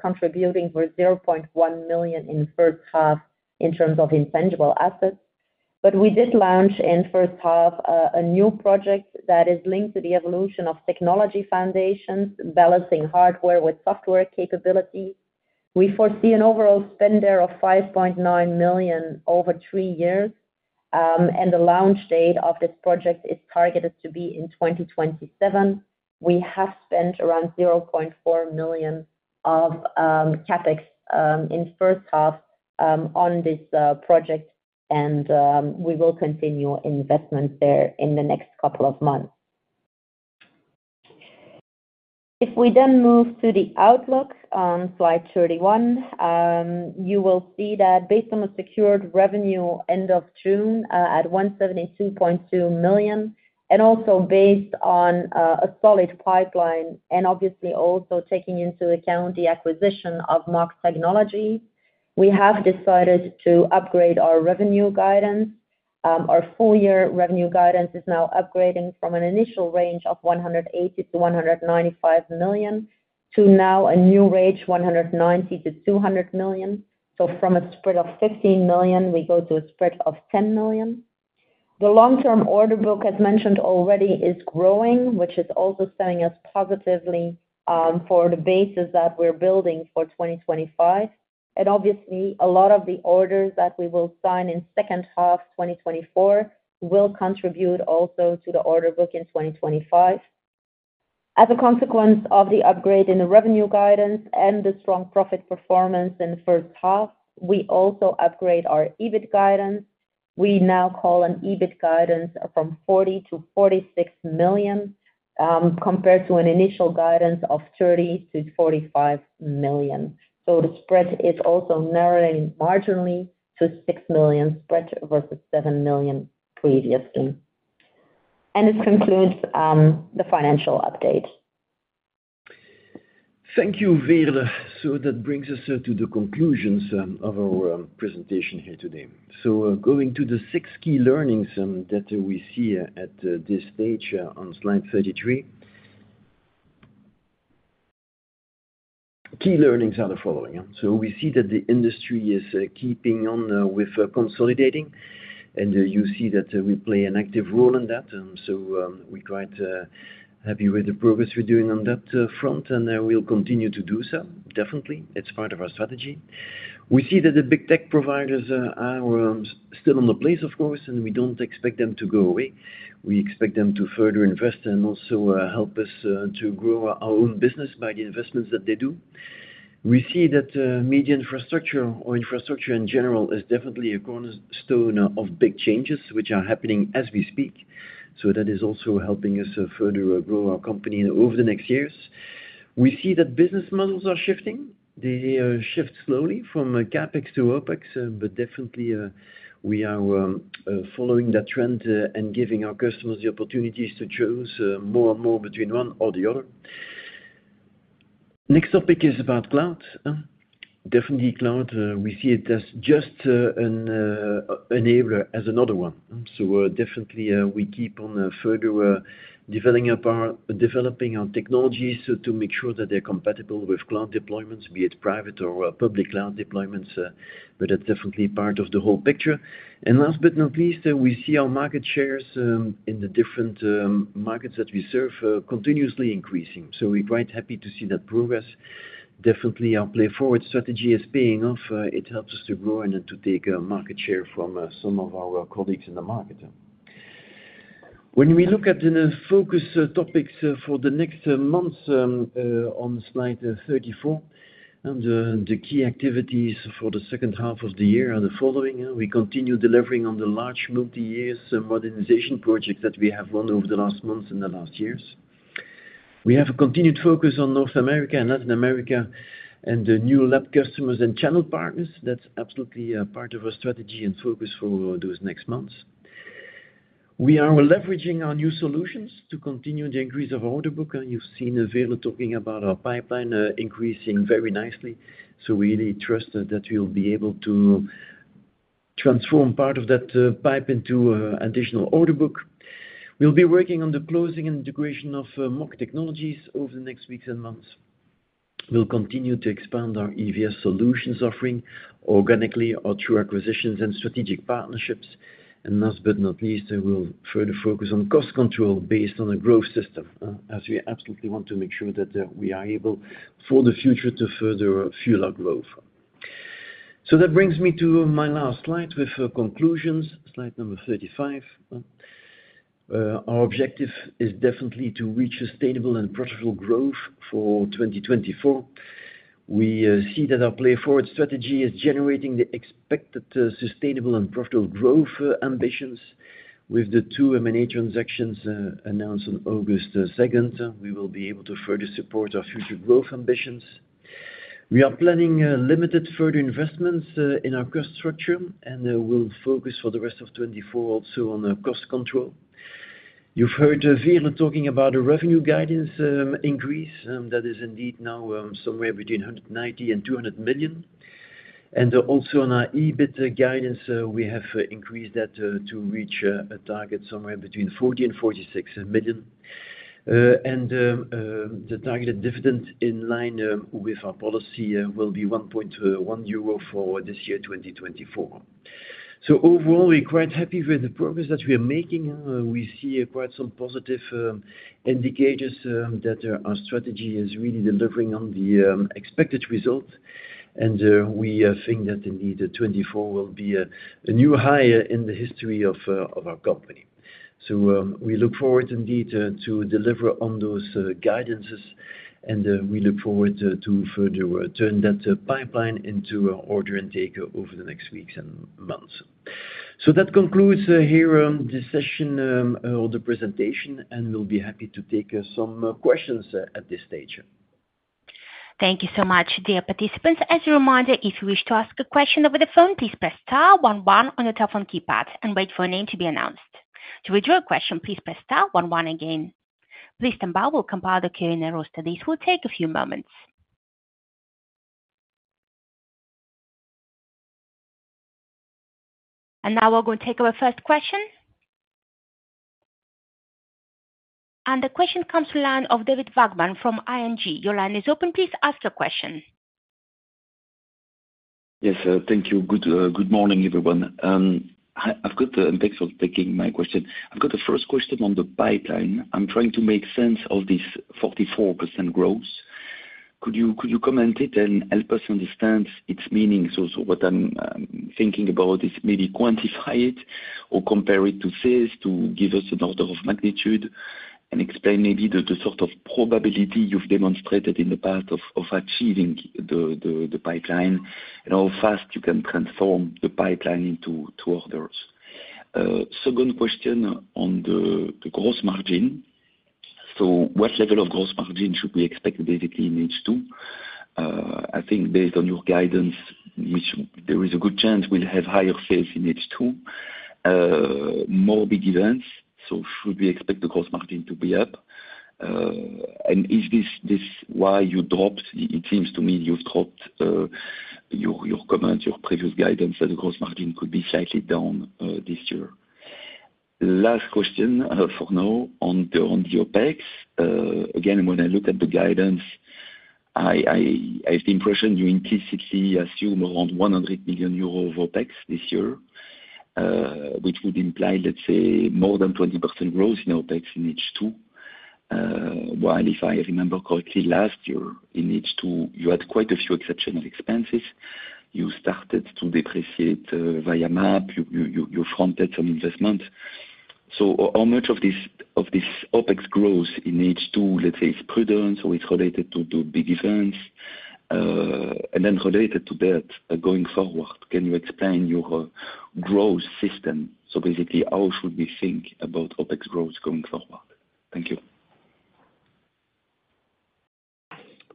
contributing with 0.1 million in the first half in terms of intangible assets. But we did launch in first half a new project that is linked to the evolution of technology foundations, balancing hardware with software capability. We foresee an overall spend of 5.9 million over three years, and the launch date of this project is targeted to be in 2027. We have spent around 0.4 million of CapEx in first half on this project, and we will continue investment there in the next couple of months. If we then move to the outlook on slide 31, you will see that based on the secured revenue end of June at 172.2 million, and also based on a solid pipeline, and obviously also taking into account the acquisition of MOG Technologies, we have decided to upgrade our revenue guidance. Our full year revenue guidance is now upgrading from an initial range of 180 million-195 million, to now a new range, 190 million-200 million. So from a spread of 15 million, we go to a spread of 10 million. The long-term order book, as mentioned already, is growing, which is also setting us positively, for the basis that we're building for 2025. And obviously, a lot of the orders that we will sign in second half 2024 will contribute also to the order book in 2025. As a consequence of the upgrade in the revenue guidance and the strong profit performance in the first half, we also upgrade our EBIT guidance. We now call an EBIT guidance from 40 million-46 million, compared to an initial guidance of 30 million-45 million. So the spread is also narrowing marginally to 6 million spread versus 7 million previously. And this concludes, the financial update. Thank you, Veerle. So that brings us to the conclusions of our presentation here today. So, going to the six key learnings that we see at this stage on slide 33. Key learnings are the following, so we see that the industry is keeping on with consolidating, and you see that we play an active role in that. So, we're quite happy with the progress we're doing on that front, and we'll continue to do so. Definitely, it's part of our strategy. We see that the big tech providers are still on the place, of course, and we don't expect them to go away. We expect them to further invest and also help us to grow our own business by the investments that they do. We see that, MediaInfrastructure or infrastructure in general, is definitely a cornerstone of big changes, which are happening as we speak. So that is also helping us, further, grow our company over the next years. We see that business models are shifting. They shift slowly from CapEx to OpEx, but definitely, we are following that trend, and giving our customers the opportunities to choose, more and more between one or the other. Next topic is about cloud. Definitely cloud, we see it as just an enabler as another one. So, definitely, we keep on further developing our technologies to make sure that they're compatible with cloud deployments, be it private or public cloud deployments, but that's definitely part of the whole picture. And last but not least, we see our market shares in the different markets that we serve continuously increasing. So we're quite happy to see that progress. Definitely, our PLAYForward strategy is paying off, it helps us to grow and to take market share from some of our colleagues in the market. When we look at the focus topics for the next months, on slide 34, and the key activities for the second half of the year are the following: we continue delivering on the large multi-years modernization projects that we have won over the last months and the last years. We have a continued focus on North America and Latin America, and the new lab customers and channel partners. That's absolutely part of our strategy and focus for those next months. We are leveraging our new solutions to continue the increase of order book, and you've seen Veerle talking about our pipeline, increasing very nicely. So we really trust that we'll be able to transform part of that pipe into additional order book. We'll be working on the closing and integration of MOG Technologies over the next weeks and months. We'll continue to expand our EVS solutions offering organically or through acquisitions and strategic partnerships. And last but not least, we'll further focus on cost control based on a growth system, as we absolutely want to make sure that we are able for the future to further fuel our growth. So that brings me to my last slide with conclusions, slide number 35. Our objective is definitely to reach sustainable and profitable growth for 2024. We see that our PLAYForward strategy is generating the expected sustainable and profitable growth ambitions. With the two M&A transactions announced on August 2, we will be able to further support our future growth ambitions. We are planning limited further investments in our cost structure, and we'll focus for the rest of 2024 also on cost control. You've heard Veerle talking about a revenue guidance increase, and that is indeed now somewhere between 190 million and 200 million. Also on our EBIT guidance, we have increased that to reach a target somewhere between 40 million and 46 million. The targeted dividend in line with our policy will be 1.1 euro for this year, 2024. So overall, we're quite happy with the progress that we are making. We see quite some positive indicators that our strategy is really delivering on the expected results. And we think that indeed 2024 will be a new high in the history of our company. So we look forward indeed to deliver on those guidances, and we look forward to further turn that pipeline into order intake over the next weeks and months. So that concludes here the session or the presentation, and we'll be happy to take some questions at this stage. Thank you so much, dear participants. As a reminder, if you wish to ask a question over the phone, please press star one one on your telephone keypad and wait for your name to be announced. To withdraw your question, please press star one one again. Please stand by, we'll compile the Q&A roster. This will take a few moments. Now we're going to take our first question. The question comes the line of David Vagman from ING. Your line is open, please ask your question. Yes, thank you. Good morning, everyone. I've got thanks for taking my question. I've got the first question on the pipeline. I'm trying to make sense of this 44% growth. Could you comment it and help us understand its meaning? So what I'm thinking about is maybe quantify it or compare it to sales, to give us an order of magnitude, and explain maybe the sort of probability you've demonstrated in the past of achieving the pipeline, and how fast you can transform the pipeline into orders. Second question on the gross margin. So what level of gross margin should we expect basically in H2? I think based on your guidance, which there is a good chance we'll have higher sales in H2, more big events, so should we expect the gross margin to be up? And is this why you dropped? It seems to me you've dropped your comments, your previous guidance, that the gross margin could be slightly down this year. Last question, for now on the OpEx. Again, when I look at the guidance, I have the impression you implicitly assume around 100 million euro of OpEx this year, which would imply, let's say, more than 20% growth in OpEx in H2. While, if I remember correctly, last year in H2, you had quite a few exceptional expenses. You started to depreciate VIA MAP. You fronted some investments. So how much of this, of this OpEx growth in H2, let's say, is prudence or is related to, to big events? And then related to that, going forward, can you explain your growth system? So basically, how should we think about OpEx growth going forward? Thank you.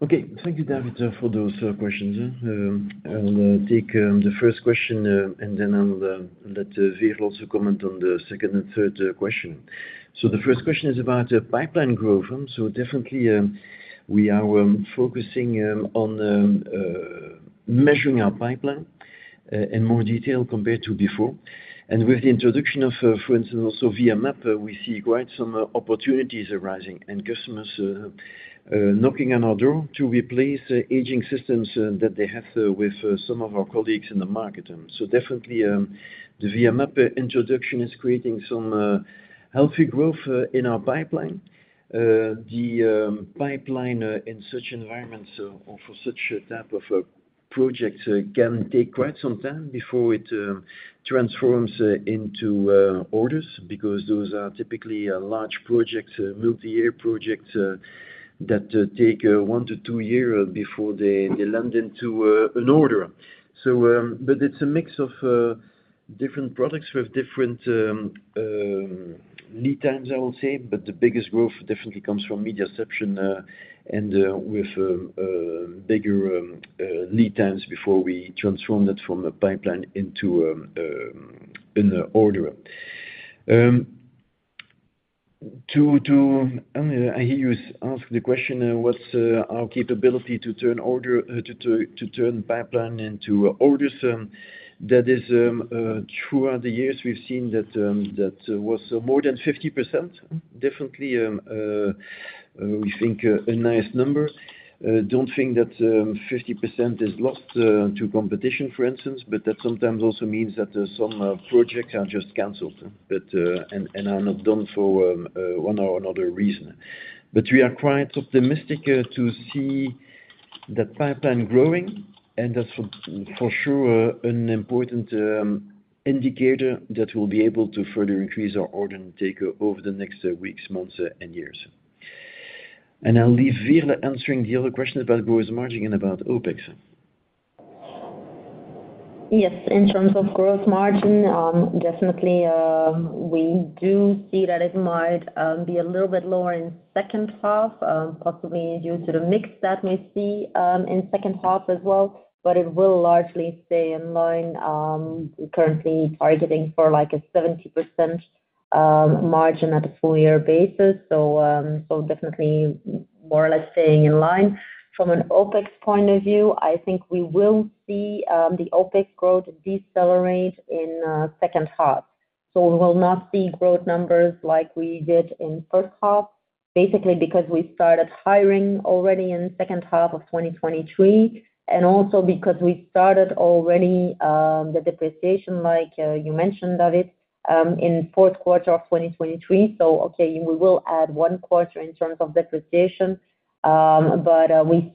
Okay. Thank you, David, for those questions. I'll take the first question, and then I'll let Veerle also comment on the second and third question. So the first question is about pipeline growth. So definitely, we are focusing on measuring our pipeline in more detail compared to before. And with the introduction of, for instance, also VIA MAP, we see quite some opportunities arising and customers knocking on our door to replace the aging systems that they have with some of our colleagues in the market. So definitely, the VIA MAP introduction is creating some healthy growth in our pipeline. The pipeline in such environments or for such a type of project can take quite some time before it transforms into orders, because those are typically large projects, multi-year projects, that take 1-2 year before they land into an order. So, but it's a mix of different products with different lead times, I would say. But the biggest growth definitely comes from MediaCeption and with bigger lead times before we transform that from a pipeline into an order. I hear you ask the question, what's our capability to turn pipeline into orders? That is, throughout the years, we've seen that that was more than 50%, definitely. We think a nice number. Don't think that 50% is lost to competition, for instance, but that sometimes also means that some projects are just canceled, but are not done for one or another reason. But we are quite optimistic to see the pipeline growing, and that's for sure an important indicator that we'll be able to further increase our order intake over the next weeks, months, and years. And I'll leave Veerle answering the other question about gross margin and about OpEx. Yes, in terms of gross margin, definitely, we do see that it might be a little bit lower in second half, possibly due to the mix that we see in second half as well. But it will largely stay in line, currently targeting for, like, a 70% margin at a full year basis. So, so definitely more or less staying in line. From an OpEx point of view, I think we will see the OpEx growth decelerate in second half. So we will not see growth numbers like we did in first half, basically because we started hiring already in second half of 2023, and also because we started already the depreciation, like you mentioned of it in fourth quarter of 2023. So okay, we will add one quarter in terms of depreciation, but we'll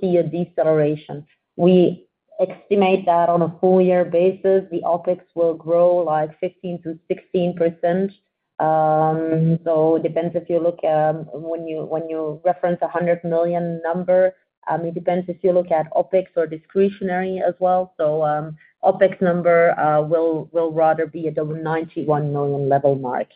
see a deceleration. We estimate that on a full year basis, the OpEx will grow, like, 15%-16%. So depends if you look, when you reference 100 million number, it depends if you look at OpEx or discretionary as well. So, OpEx number will rather be at the 91 million level mark.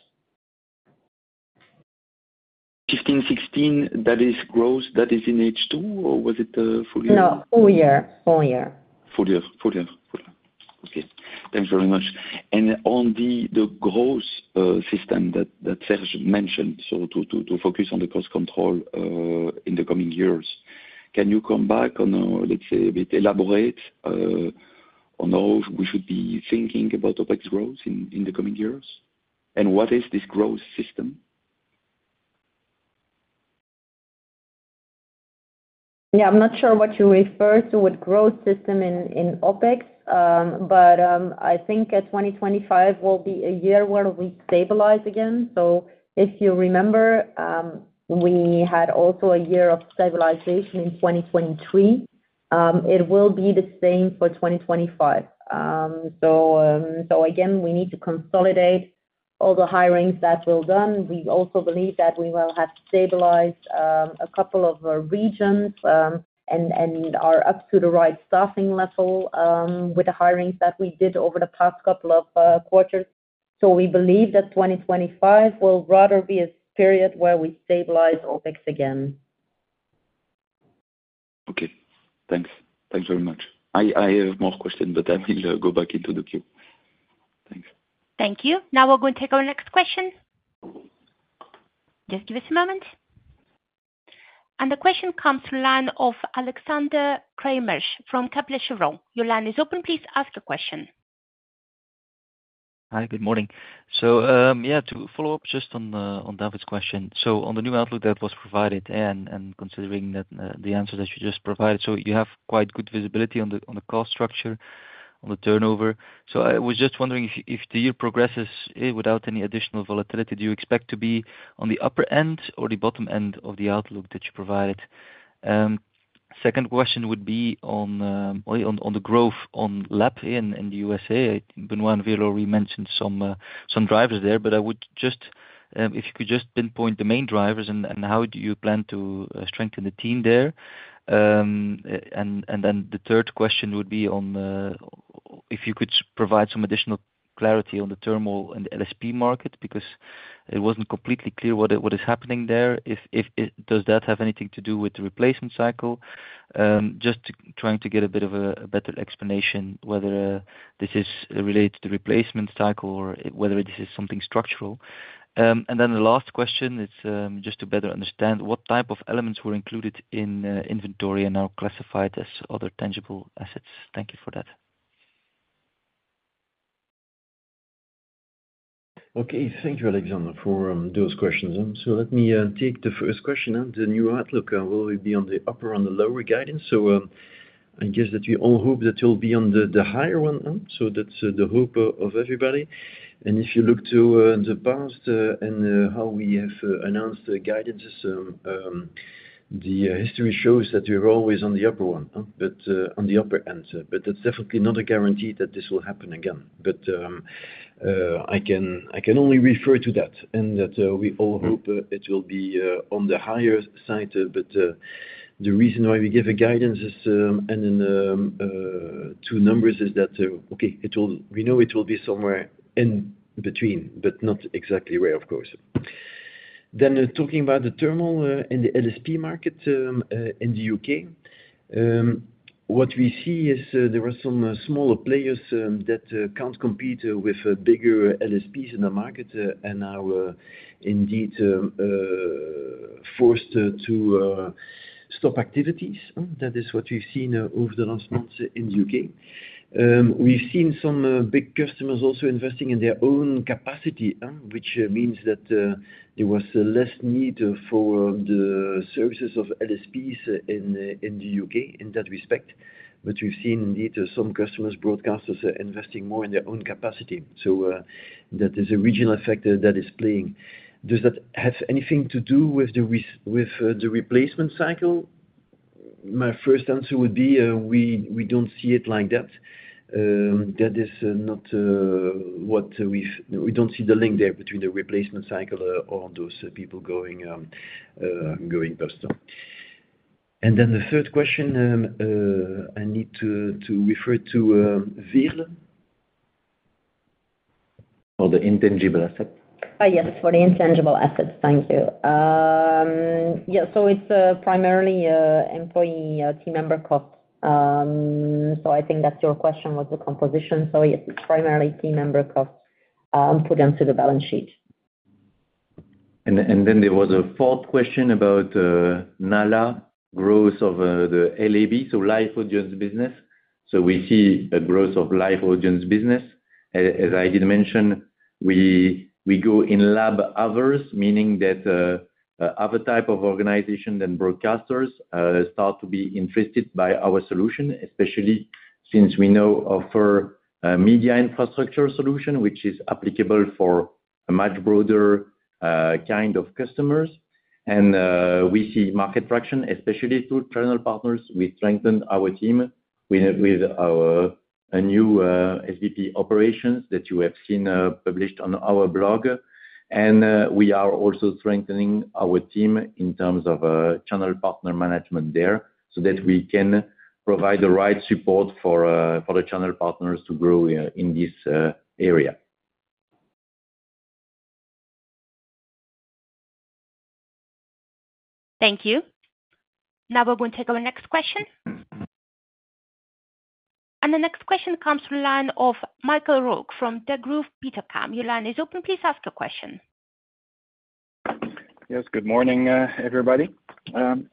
2015, 2016, that is growth, that is in H2, or was it full year? No, full year. Full year. Full year. Full year. Full year. Okay. Thanks very much. And on the growth system that Serge mentioned, so to focus on the cost control in the coming years, can you come back on, let's say, a bit elaborate on how we should be thinking about OpEx growth in the coming years? And what is this growth system? Yeah, I'm not sure what you refer to with growth system in, in OpEx. But, I think, 2025 will be a year where we stabilize again. So if you remember, we had also a year of stabilization in 2023. It will be the same for 2025. So, so again, we need to consolidate all the hirings that were done. We also believe that we will have stabilized, a couple of regions, and are up to the right staffing level, with the hirings that we did over the past couple of quarters. So we believe that 2025 will rather be a period where we stabilize OpEx again. Okay, thanks. Thanks very much. I, I have more questions, but I will go back into the queue. Thanks. Thank you. Now we're going to take our next question. Just give us a moment. The question comes from the line of Alexander Craeymeersch from Kepler Cheuvreux. Your line is open, please ask a question. Hi, good morning. So, yeah, to follow up just on David's question. So on the new outlook that was provided and, considering that, the answer that you just provided, so you have quite good visibility on the cost structure, on the turnover. So I was just wondering if, if the year progresses without any additional volatility, do you expect to be on the upper end or the bottom end of the outlook that you provided? Second question would be on the growth on LAB in the USA. Benoit and Veerle already mentioned some drivers there, but I would just, if you could just pinpoint the main drivers and how do you plan to strengthen the team there? And then the third question would be on, if you could provide some additional clarity on the rental and LSP market, because it wasn't completely clear what is happening there. If, does that have anything to do with the replacement cycle? Just trying to get a bit of a better explanation whether this is related to the replacement cycle or whether this is something structural. And then the last question is, just to better understand what type of elements were included in inventory and now classified as other tangible assets? Thank you for that. Okay. Thank you, Alexander, for those questions. So let me take the first question. The new outlook, will it be on the upper on the lower guidance? So, I guess that we all hope that it will be on the, the higher one, huh? So that's the hope of everybody. And if you look to the past, and how we have announced the guidances, the history shows that we are always on the upper one, huh, but on the upper end. But that's definitely not a guarantee that this will happen again. But I can, I can only refer to that, and that we all hope- Mm-hmm. it will be on the higher side. But, the reason why we give a guidance is, and then two numbers is that, okay, it will, we know it will be somewhere in between, but not exactly where, of course. Then, talking about the rental and the LSP market in the U.K. What we see is, there are some smaller players that can't compete with bigger LSPs in the market, and are indeed forced to stop activities. That is what we've seen over the last months in the U.K. We've seen some big customers also investing in their own capacity, which means that there was less need for the services of LSPs in the U.K. in that respect. But we've seen indeed some customers, broadcasters, investing more in their own capacity. So, that is a regional effect that is playing. Does that have anything to do with the replacement cycle? My first answer would be, we don't see it like that. That is not what we've— We don't see the link there between the replacement cycle or those people going bust. And then the third question, I need to refer to Veerle, for the intangible assets. Yes, for the intangible assets. Thank you. Yeah, so it's primarily employee team member cost. So I think that's your question was the composition, so it's primarily team member costs put onto the balance sheet. And then there was a fourth question about NALA growth of the LAB, so live audience business. So we see a growth of live audience business. As I did mention, we go in LAB others, meaning that other type of organization than broadcasters start to be interested by our solution, especially since we now offer a MediaInfrastructure solution, which is applicable for a much broader kind of customers. And we see market traction, especially through channel partners. We strengthened our team with a new SVP operations that you have seen published on our blog. And we are also strengthening our team in terms of channel partner management there, so that we can provide the right support for the channel partners to grow in this area. Thank you. Now we will take our next question. The next question comes from line of Michael Roeg from Degroof Petercam. Your line is open, please ask your question. Yes, good morning, everybody.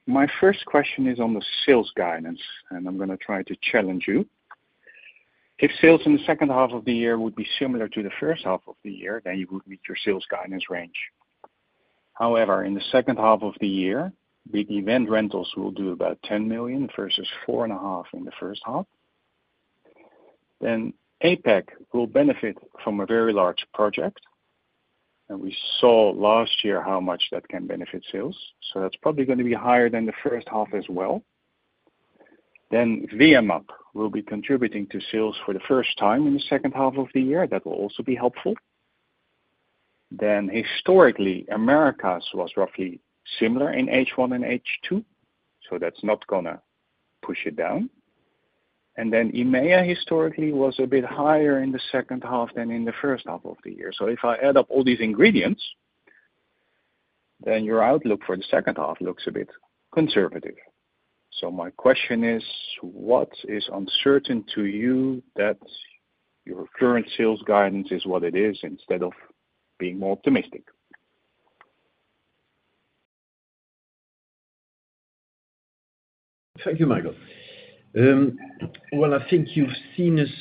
My first question is on the sales guidance, and I'm gonna try to challenge you. If sales in the second half of the year would be similar to the first half of the year, then you would meet your sales guidance range. However, in the second half of the year, the event rentals will do about 10 million versus 4.5 million in the first half. Then APAC will benefit from a very large project, and we saw last year how much that can benefit sales. So that's probably gonna be higher than the first half as well. Then VIA MAP will be contributing to sales for the first time in the second half of the year. That will also be helpful. Then historically, Americas was roughly similar in H1 and H2, so that's not gonna push it down. Then EMEA historically was a bit higher in the second half than in the first half of the year. So if I add up all these ingredients, then your outlook for the second half looks a bit conservative. So my question is, what is uncertain to you that your current sales guidance is what it is instead of being more optimistic? Thank you, Michael. Well, I think you've seen us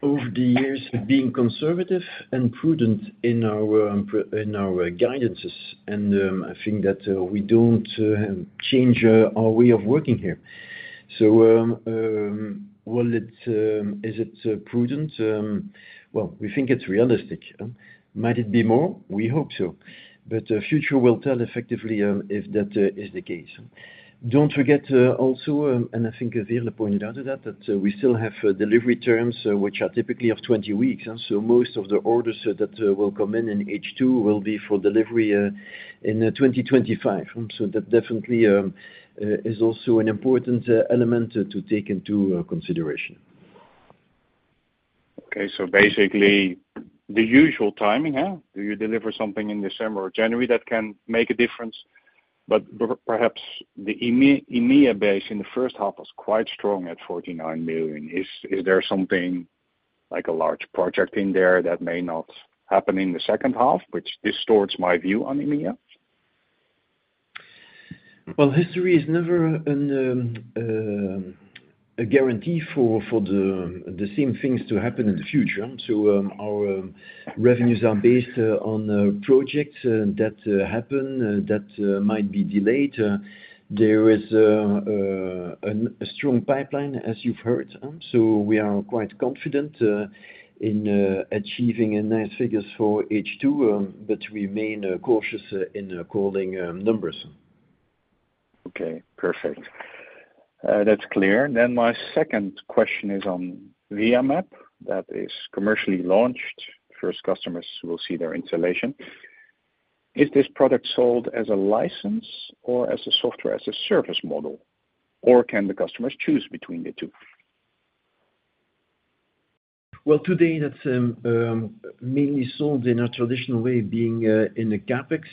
over the years being conservative and prudent in our guidances, and I think that we don't change our way of working here. So, well, is it prudent? Well, we think it's realistic. Might it be more? We hope so, but future will tell effectively if that is the case. Don't forget also, and I think Veerle pointed out to that, that we still have delivery terms which are typically of 20 weeks. And so most of the orders that will come in in H2 will be for delivery in 2025. So that definitely is also an important element to take into consideration. Okay, so basically the usual timing, huh? Do you deliver something in December or January that can make a difference, but perhaps the EMEA base in the first half was quite strong at 49 million. Is there something like a large project in there that may not happen in the second half, which distorts my view on EMEA? Well, history is never a guarantee for the same things to happen in the future. So, our revenues are based on projects that happen that might be delayed. There is a strong pipeline, as you've heard, so we are quite confident in achieving nice figures for H2, but remain cautious in calling numbers. Okay, perfect. That's clear. Then my second question is on VIA MAP. That is commercially launched. First customers will see their installation. Is this product sold as a license or as a software as a service model, or can the customers choose between the two? Well, today, that's mainly sold in a traditional way, being in a CapEx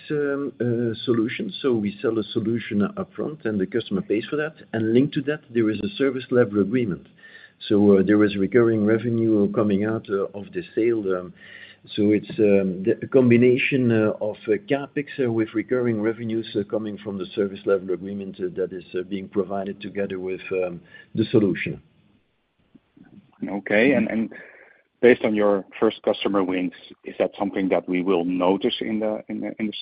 solution. So we sell a solution upfront, and the customer pays for that. And linked to that, there is a service level agreement. So there is recurring revenue coming out of the sale. So it's a combination of CapEx with recurring revenues coming from the service level agreement that is being provided together with the solution. Okay. Based on your first customer wins, is that something that we will notice in the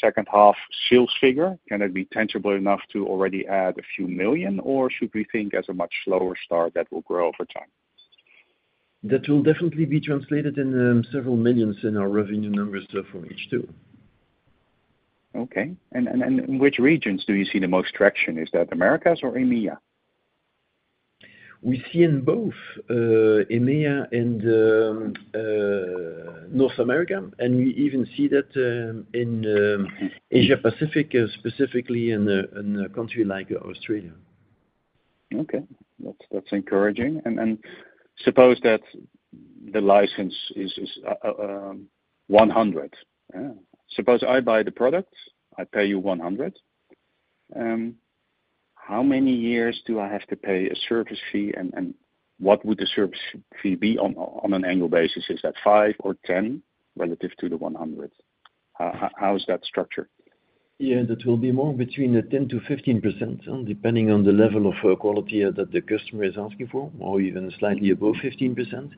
second half sales figure? Can it be tangible enough to already add a few million EUR, or should we think of a much slower start that will grow over time? That will definitely be translated in several million euros in our revenue numbers from H2. Okay. And in which regions do you see the most traction? Is that Americas or EMEA? We see in both EMEA and North America, and we even see that in Asia Pacific, specifically in a country like Australia. Okay. That's encouraging. And suppose that the license is 100, yeah. Suppose I buy the product, I pay you 100, how many years do I have to pay a service fee, and what would the service fee be on an annual basis? Is that five or 10 relative to the 100? How is that structured? Yeah, that will be more between the 10%-15%, depending on the level of quality that the customer is asking for, or even slightly above 15%.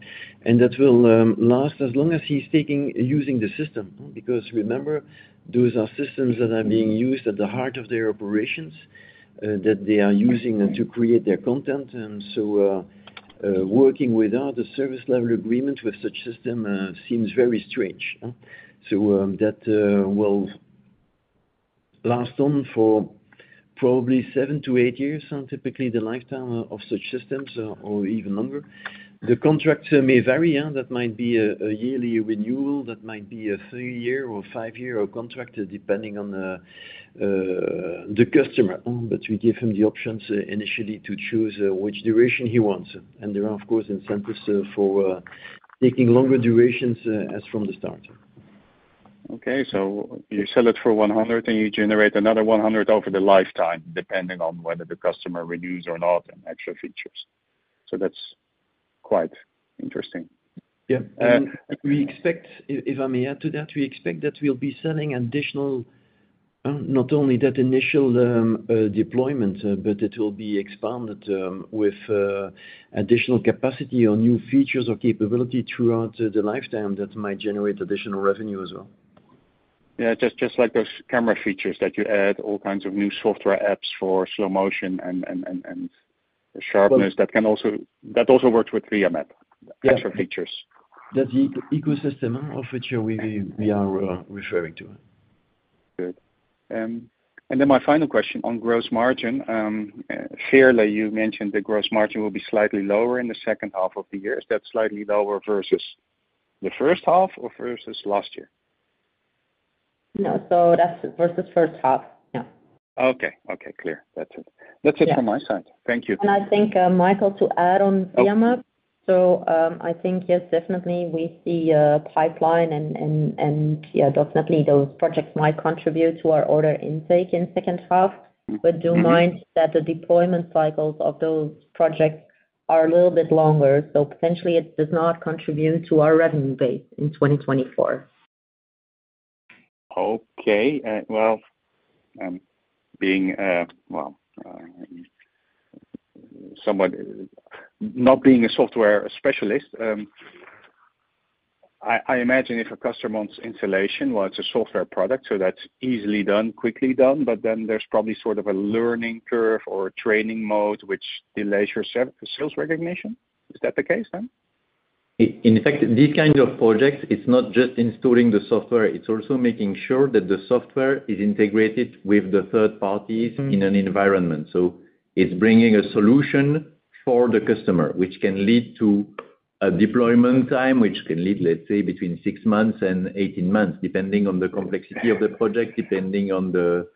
And that will last as long as he's taking-using the system, because remember, those are systems that are being used at the heart of their operations, that they are using them to create their content. And so, working without the service level agreement with such system seems very strange. So, that will last on for probably 7-8 years, typically the lifetime of such systems, or even longer. The contract may vary, yeah, that might be a yearly renewal, that might be a 3-year or 5-year contract, depending on the customer, but we give him the options initially to choose which duration he wants. There are, of course, incentives for taking longer durations as from the start. Okay, so you sell it for 100, and you generate another 100 over the lifetime, depending on whether the customer renews or not, and extra features. So that's quite interesting. Yeah. Um- If I may add to that, we expect that we'll be selling additional, not only that initial deployment, but it will be expanded with additional capacity or new features or capability throughout the lifetime that might generate additional revenue as well. Yeah, just like those camera features that you add all kinds of new software apps for slow motion and sharpness- Well- that also works with VIA MAP Yeah... Extra features. That ecosystem of which we are referring to. Good. Then my final question on gross margin, earlier, you mentioned the gross margin will be slightly lower in the second half of the year. Is that slightly lower versus the first half or versus last year? No, so that's versus first half. Yeah. Okay, okay, clear. That's it. Yeah. That's it from my side. Thank you. And I think, Michael, to add on VIA MAP- Oh. So, I think yes, definitely we see a pipeline and, yeah, definitely those projects might contribute to our order intake in second half. Mm-hmm. Do mind that the deployment cycles of those projects are a little bit longer, so potentially it does not contribute to our revenue base in 2024. Okay, well, being well somewhat not being a software specialist, I imagine if a customer wants installation, well, it's a software product, so that's easily done, quickly done, but then there's probably sort of a learning curve or training mode which delays your sales recognition. Is that the case then? In effect, these kinds of projects, it's not just installing the software, it's also making sure that the software is integrated with the third parties- Mm-hmm in an environment. So it's bringing a solution for the customer, which can lead to a deployment time, which can lead, let's say, between 6 months and 18 months, depending on the complexity of the project, depending on the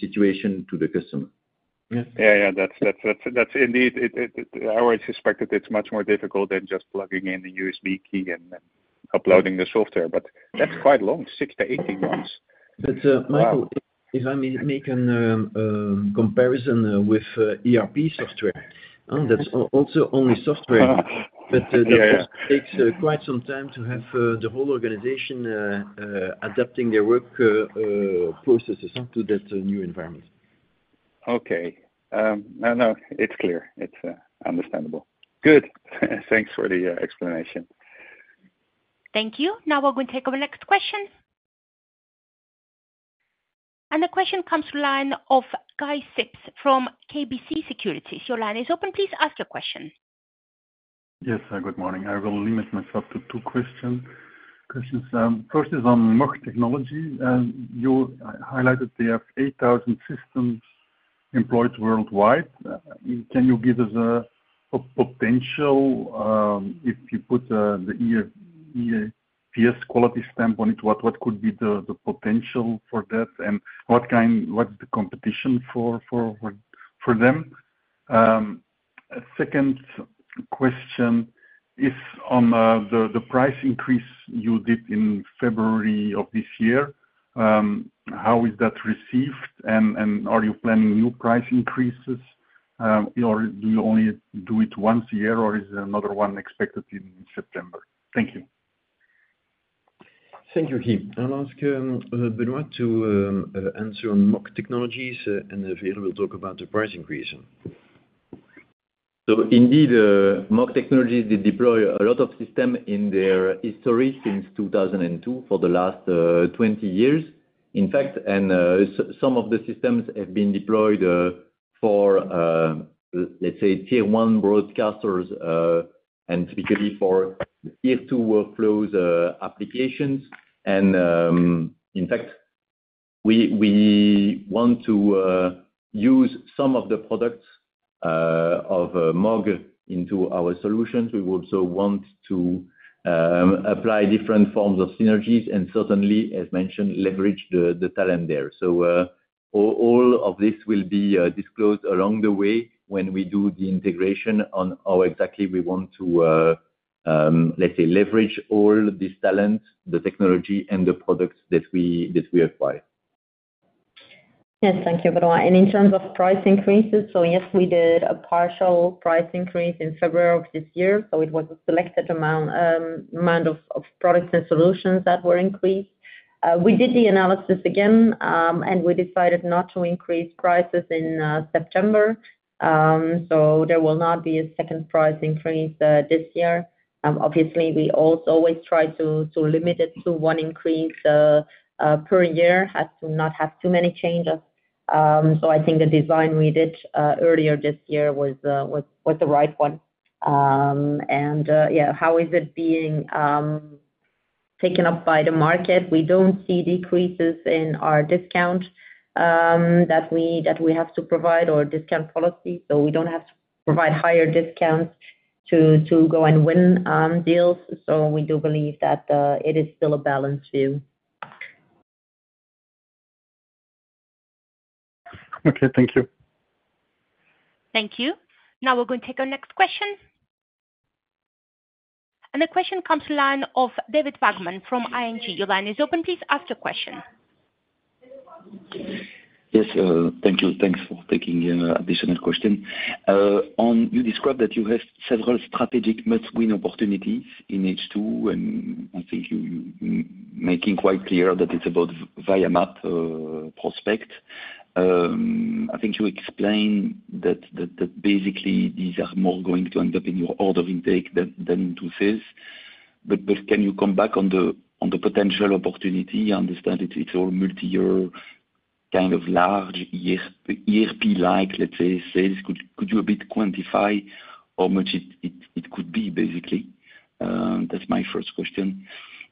situation to the customer. Yes. Yeah, that's indeed it. I always suspected it's much more difficult than just plugging in a USB key and then uploading the software, but that's quite long, 6-18 months. But, uh- Wow Michael, if I may make a comparison with ERP software, that's also only software. Uh-huh. Yeah, yeah. But it takes quite some time to have the whole organization adapting their work processes onto that new environment. Okay. No, no, it's clear. It's understandable. Good. Thanks for the explanation. Thank you. Now we're going to take our next question. The question comes from line of Guy Sips from KBC Securities. Your line is open. Please ask your question. Yes, good morning. I will limit myself to two questions. First is on MOG Technologies. You highlighted they have 8,000 systems employed worldwide. Can you give us a potential, if you put the EVS quality stamp on it, what could be the potential for that, and what kind... What's the competition for them? Second question on the price increase you did in February of this year, how is that received? And are you planning new price increases, or do you only do it once a year, or is another one expected in September? Thank you. Thank you, Kim. I'll ask Benoit to answer on MOG Technologies, and Veerle will talk about the price increase. So indeed, MOG Technologies, they deploy a lot of system in their history since 2002, for the last 20 years. In fact, some of the systems have been deployed for let's say Tier 1 broadcasters, and typically for Tier 2 workflows, applications. In fact, we want to use some of the products of MOG into our solutions. We also want to apply different forms of synergies and certainly, as mentioned, leverage the talent there. So, all of this will be disclosed along the way when we do the integration on how exactly we want to let's say, leverage all this talent, the technology, and the products that we acquire. Yes, thank you, Benoit. And in terms of price increases, so yes, we did a partial price increase in February of this year, so it was a selected amount of products and solutions that were increased. We did the analysis again, and we decided not to increase prices in September. So there will not be a second price increase this year. Obviously, we always try to limit it to one increase per year, as to not have too many changes. So I think the design we did earlier this year was the right one. And yeah, how is it being taken up by the market? We don't see decreases in our discount that we have to provide or discount policy, so we don't have to provide higher discounts to go and win deals. So we do believe that it is still a balance, too. Okay, thank you. Thank you. Now we're going to take our next question. The question comes from the line of David Vagman from ING. Your line is open, please ask your question. Yes, thank you. Thanks for taking additional question. On what you described that you have several strategic must-win opportunities in H2, and I think you making quite clear that it's about VIA MAP prospect. I think you explained that basically these are more going to end up in your order intake than to sales. But can you come back on the potential opportunity? I understand it's all multi-year, kind of large, year, ERP-like, let's say, sales. Could you a bit quantify how much it could be, basically? That's my first question.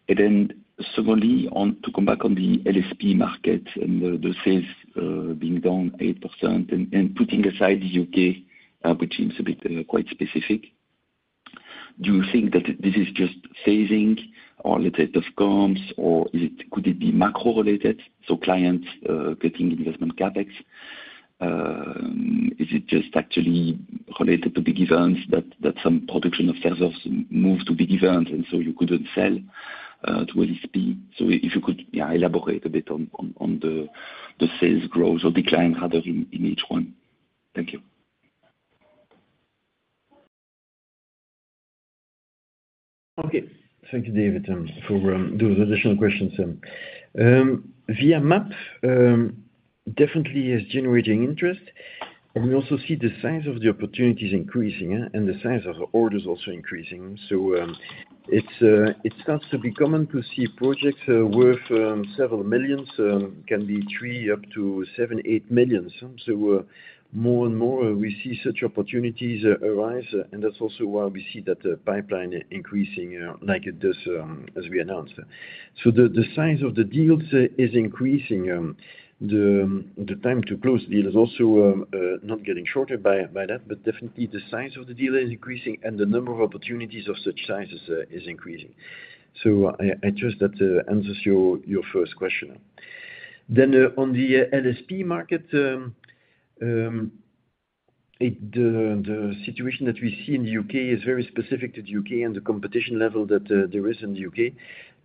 Then secondly, on to come back on the LSP market and the sales being down 8% and putting aside the U.K., which seems a bit quite specific, do you think that this is just phasing or lack of comps, or is it could it be macro-related, so clients cutting investment CapEx? Is it just actually related to big events, that some production of sales have moved to big events, and so you couldn't sell to LSP? So if you could, yeah, elaborate a bit on the sales growth or decline rather, in H1. Thank you. Okay, thank you, David, for those additional questions. VIA MAP definitely is generating interest, and we also see the size of the opportunities increasing, and the size of orders also increasing. So, it starts to be common to see projects worth several million EUR, can be 3 million up to 7-8 million. So, more and more, we see such opportunities arise, and that's also why we see that the pipeline increasing, like it does, as we announced. So the size of the deals is increasing. The time to close deals is also not getting shorter by that, but definitely the size of the deal is increasing, and the number of opportunities of such sizes is increasing. So I trust that answers your first question. Then, on the LSP market, the situation that we see in the UK is very specific to the UK and the competition level that there is in the UK.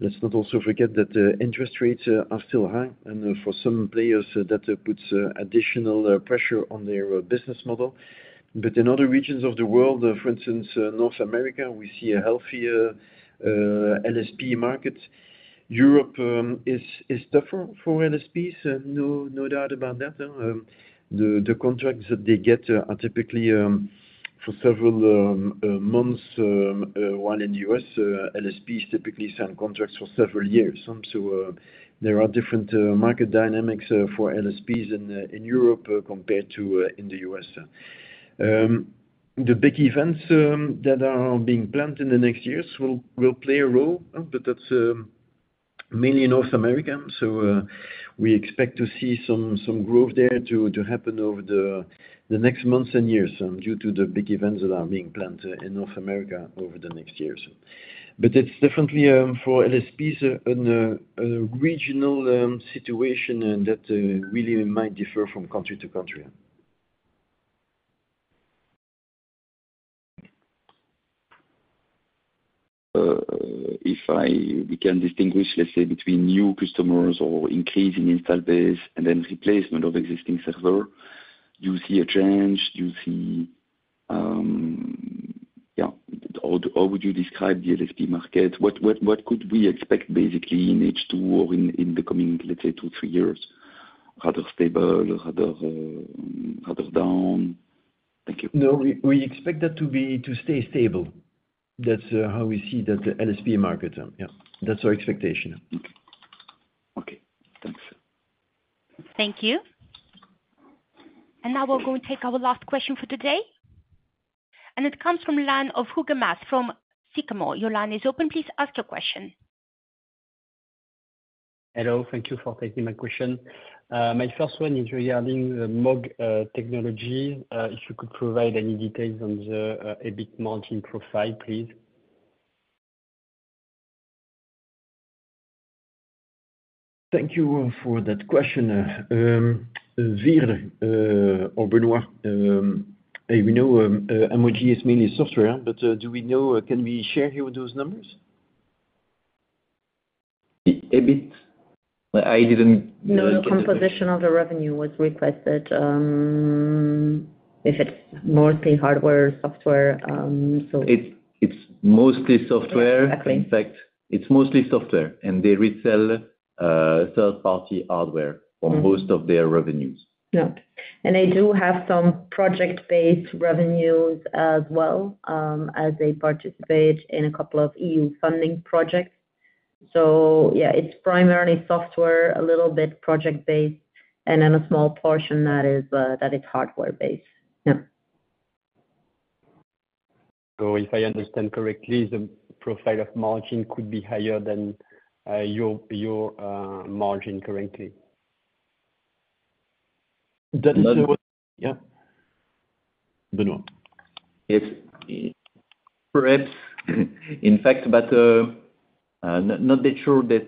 Let's not also forget that interest rates are still high, and for some players, that puts additional pressure on their business model. But in other regions of the world, for instance, North America, we see a healthier LSP market. Europe is tougher for LSPs, no doubt about that. The contracts that they get are typically for several months while in the US, LSPs typically sign contracts for several years. So, there are different market dynamics for LSPs in Europe compared to in the US. The big events that are being planned in the next years will play a role, but that's mainly in North America, so we expect to see some growth there to happen over the next months and years, due to the big events that are being planned in North America over the next years. But it's definitely for LSPs a regional situation and that really might differ from country to country. If we can distinguish, let's say, between new customers or increasing install base and then replacement of existing server, you see a change? You see, yeah, how would you describe the LSP market? What could we expect basically in H2 or in the coming, let's say, two, three years? Rather stable or rather down? Thank you. No, we expect that to be, to stay stable. That's how we see that the LSP market. Yeah, that's our expectation. Okay. Thanks. Thank you. Now we'll go and take our last question for today, and it comes from line of Hugo Mas from Sycamore. Your line is open. Please ask your question. Hello. Thank you for taking my question. My first one is regarding the MOG technology. If you could provide any details on the EBIT margin profile, please. Thank you for that question. Virgile, or Benoit, we know, MOG is mainly software, but, do we know, can we share here those numbers? EBIT? I didn't get the question. No, composition of the revenue was requested. If it's mostly hardware, software, so. It's mostly software. Yeah. Exactly. In fact, it's mostly software, and they resell, third-party hardware- Mm-hmm. - for most of their revenues. Yeah. And they do have some project-based revenues as well, as they participate in a couple of EU funding projects. So yeah, it's primarily software, a little bit project-based, and then a small portion that is hardware-based. Yeah. If I understand correctly, the profile of margin could be higher than your margin currently. That is the what- Yeah. Benoit. If perhaps in fact but not that sure that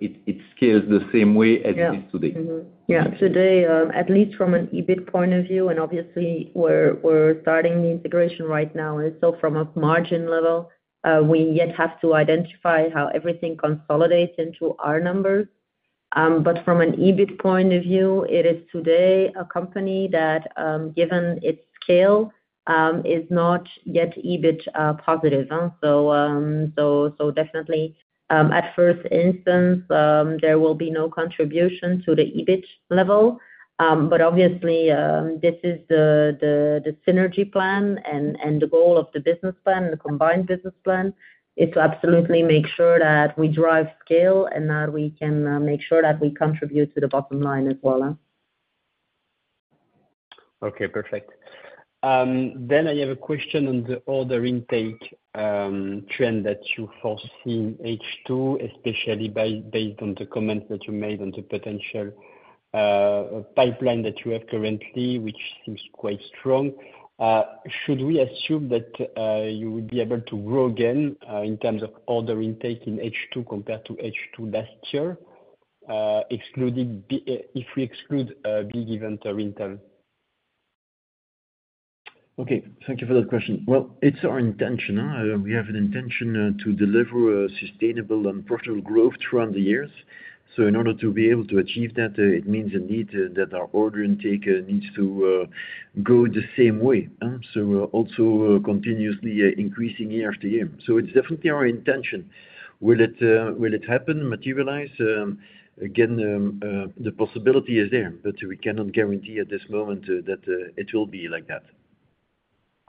it scales the same way as it is today. Yeah. Mm-hmm. Yeah, today, at least from an EBIT point of view, and obviously we're starting the integration right now, and so from a margin level, we yet have to identify how everything consolidates into our numbers. But from an EBIT point of view, it is today a company that, given its scale, is not yet EBIT positive, so definitely, at first instance, there will be no contribution to the EBIT level. But obviously, this is the synergy plan and the goal of the business plan, the combined business plan, is to absolutely make sure that we drive scale and that we can make sure that we contribute to the bottom line as well. Okay, perfect. Then I have a question on the order intake, trend that you foresee in H2, especially by, based on the comments that you made on the potential, pipeline that you have currently, which seems quite strong. Should we assume that, you would be able to grow again, in terms of order intake in H2 compared to H2 last year, excluding big event or rental? Okay, thank you for that question. Well, it's our intention, we have an intention, to deliver a sustainable and profitable growth throughout the years. So in order to be able to achieve that, it means indeed, that our order intake, needs to, grow the same way. So also, continuously, increasing year after year. So it's definitely our intention. Will it, will it happen, materialize? Again, the possibility is there, but we cannot guarantee at this moment, that, it will be like that.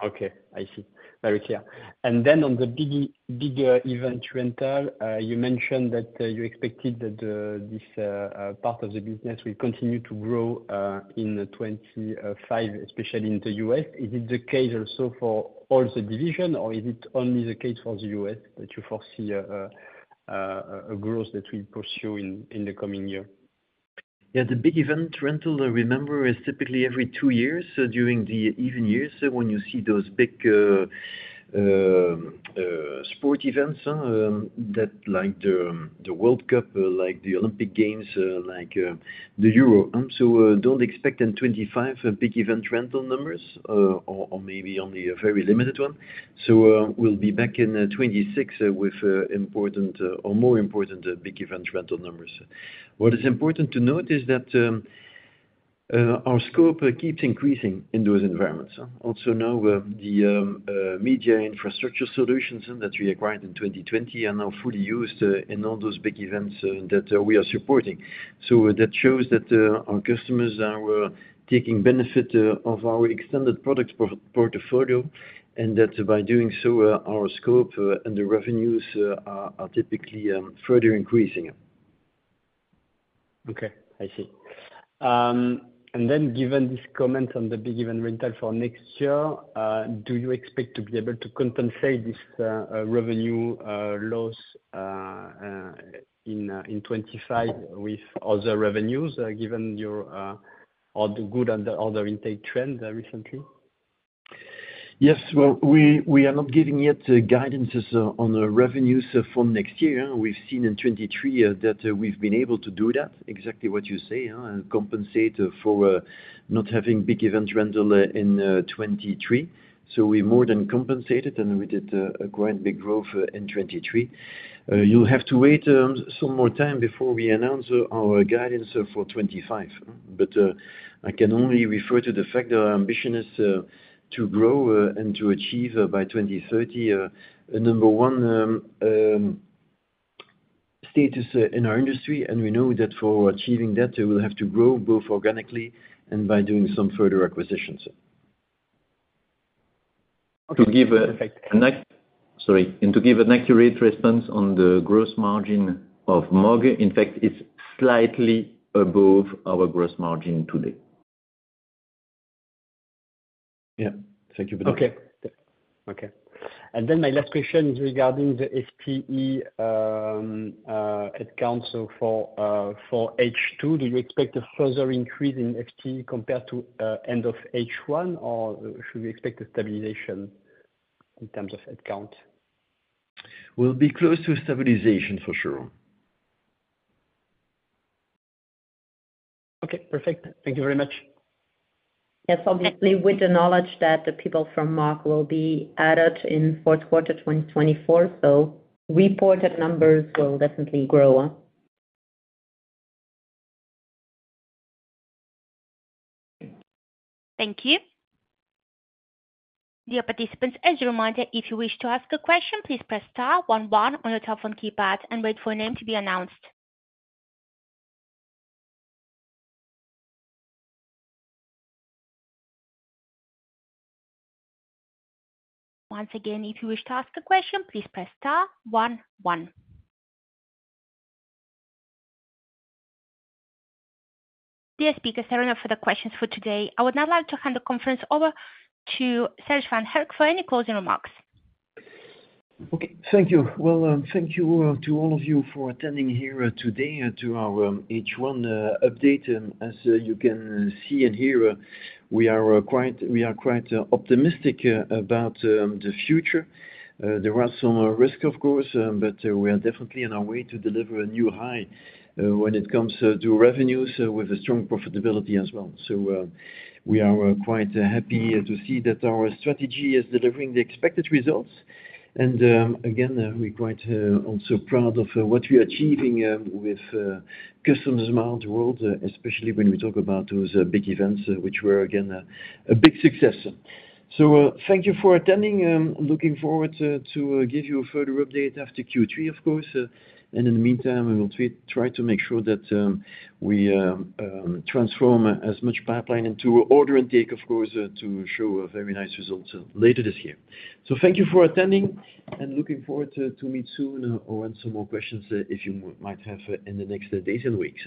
Okay. I see. Very clear. And then on the big, bigger event rental, you mentioned that you expected that this part of the business will continue to grow in 2025, especially in the U.S.. Is it the case also for all the division, or is it only the case for the U.S., that you foresee a growth that will pursue in the coming year? Yeah, the big event rental, I remember, is typically every two years, so during the even years, when you see those big, sport events, that like the, the World Cup, like the Olympic Games, like, the Euro. So, don't expect in 2025, big event rental numbers, or, or maybe only a very limited one. So, we'll be back in, 2026, with, important, or more important, big event rental numbers. What is important to note is that, our scope keeps increasing in those environments. Also now, the, MediaInfrastructure solutions that we acquired in 2020 are now fully used, in all those big events, that, we are supporting. So that shows that our customers are taking benefit of our extended product portfolio, and that by doing so, our scope and the revenues are typically further increasing. Okay. I see. And then, given this comment on the big event rental for next year, do you expect to be able to compensate this revenue loss in 2025 with other revenues, given your all the good and the other intake trend recently? Yes, well, we are not giving yet guidances on the revenues for next year. We've seen in 2023 that we've been able to do that, exactly what you say, and compensate for not having big event rental in 2023. So we more than compensated, and we did a quite big growth in 2023. You'll have to wait some more time before we announce our guidance for 2025, but I can only refer to the fact that our ambition is to grow and to achieve by 2030 a number one status in our industry. And we know that for achieving that, we will have to grow both organically and by doing some further acquisitions. And to give an accurate response on the gross margin of MOG, in fact, it's slightly above our gross margin today. Yeah. Thank you for that. Okay. Okay. And then my last question is regarding the FTE head count. So for H2, do you expect a further increase in FTE compared to end of H1, or should we expect a stabilization in terms of head count? We'll be close to stabilization, for sure. Okay, perfect. Thank you very much. Yes, obviously, with the knowledge that the people from MOG will be added in fourth quarter 2024, so reported numbers will definitely grow on. Thank you. Dear participants, as a reminder, if you wish to ask a question, please press star one one on your telephone keypad and wait for your name to be announced. Once again, if you wish to ask a question, please press star one one. Dear speakers, there are no further questions for today. I would now like to hand the conference over to Serge Van Herck for any closing remarks. Okay. Thank you. Well, thank you to all of you for attending here today to our H1 update. As you can see and hear, we are quite optimistic about the future. There are some risk, of course, but we are definitely on our way to deliver a new high when it comes to revenues with a strong profitability as well. So, we are quite happy to see that our strategy is delivering the expected results. And, again, we're quite also proud of what we are achieving with customers around the world, especially when we talk about those big events which were again a big success. So, thank you for attending. I'm looking forward to give you a further update after Q3, of course. And in the meantime, we will try to make sure that we transform as much pipeline into order intake, of course, to show a very nice result later this year. So thank you for attending, and looking forward to meet soon, or answer more questions, if you might have, in the next days and weeks.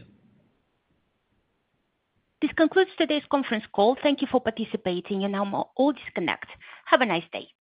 This concludes today's conference call. Thank you for participating, and now all disconnect. Have a nice day.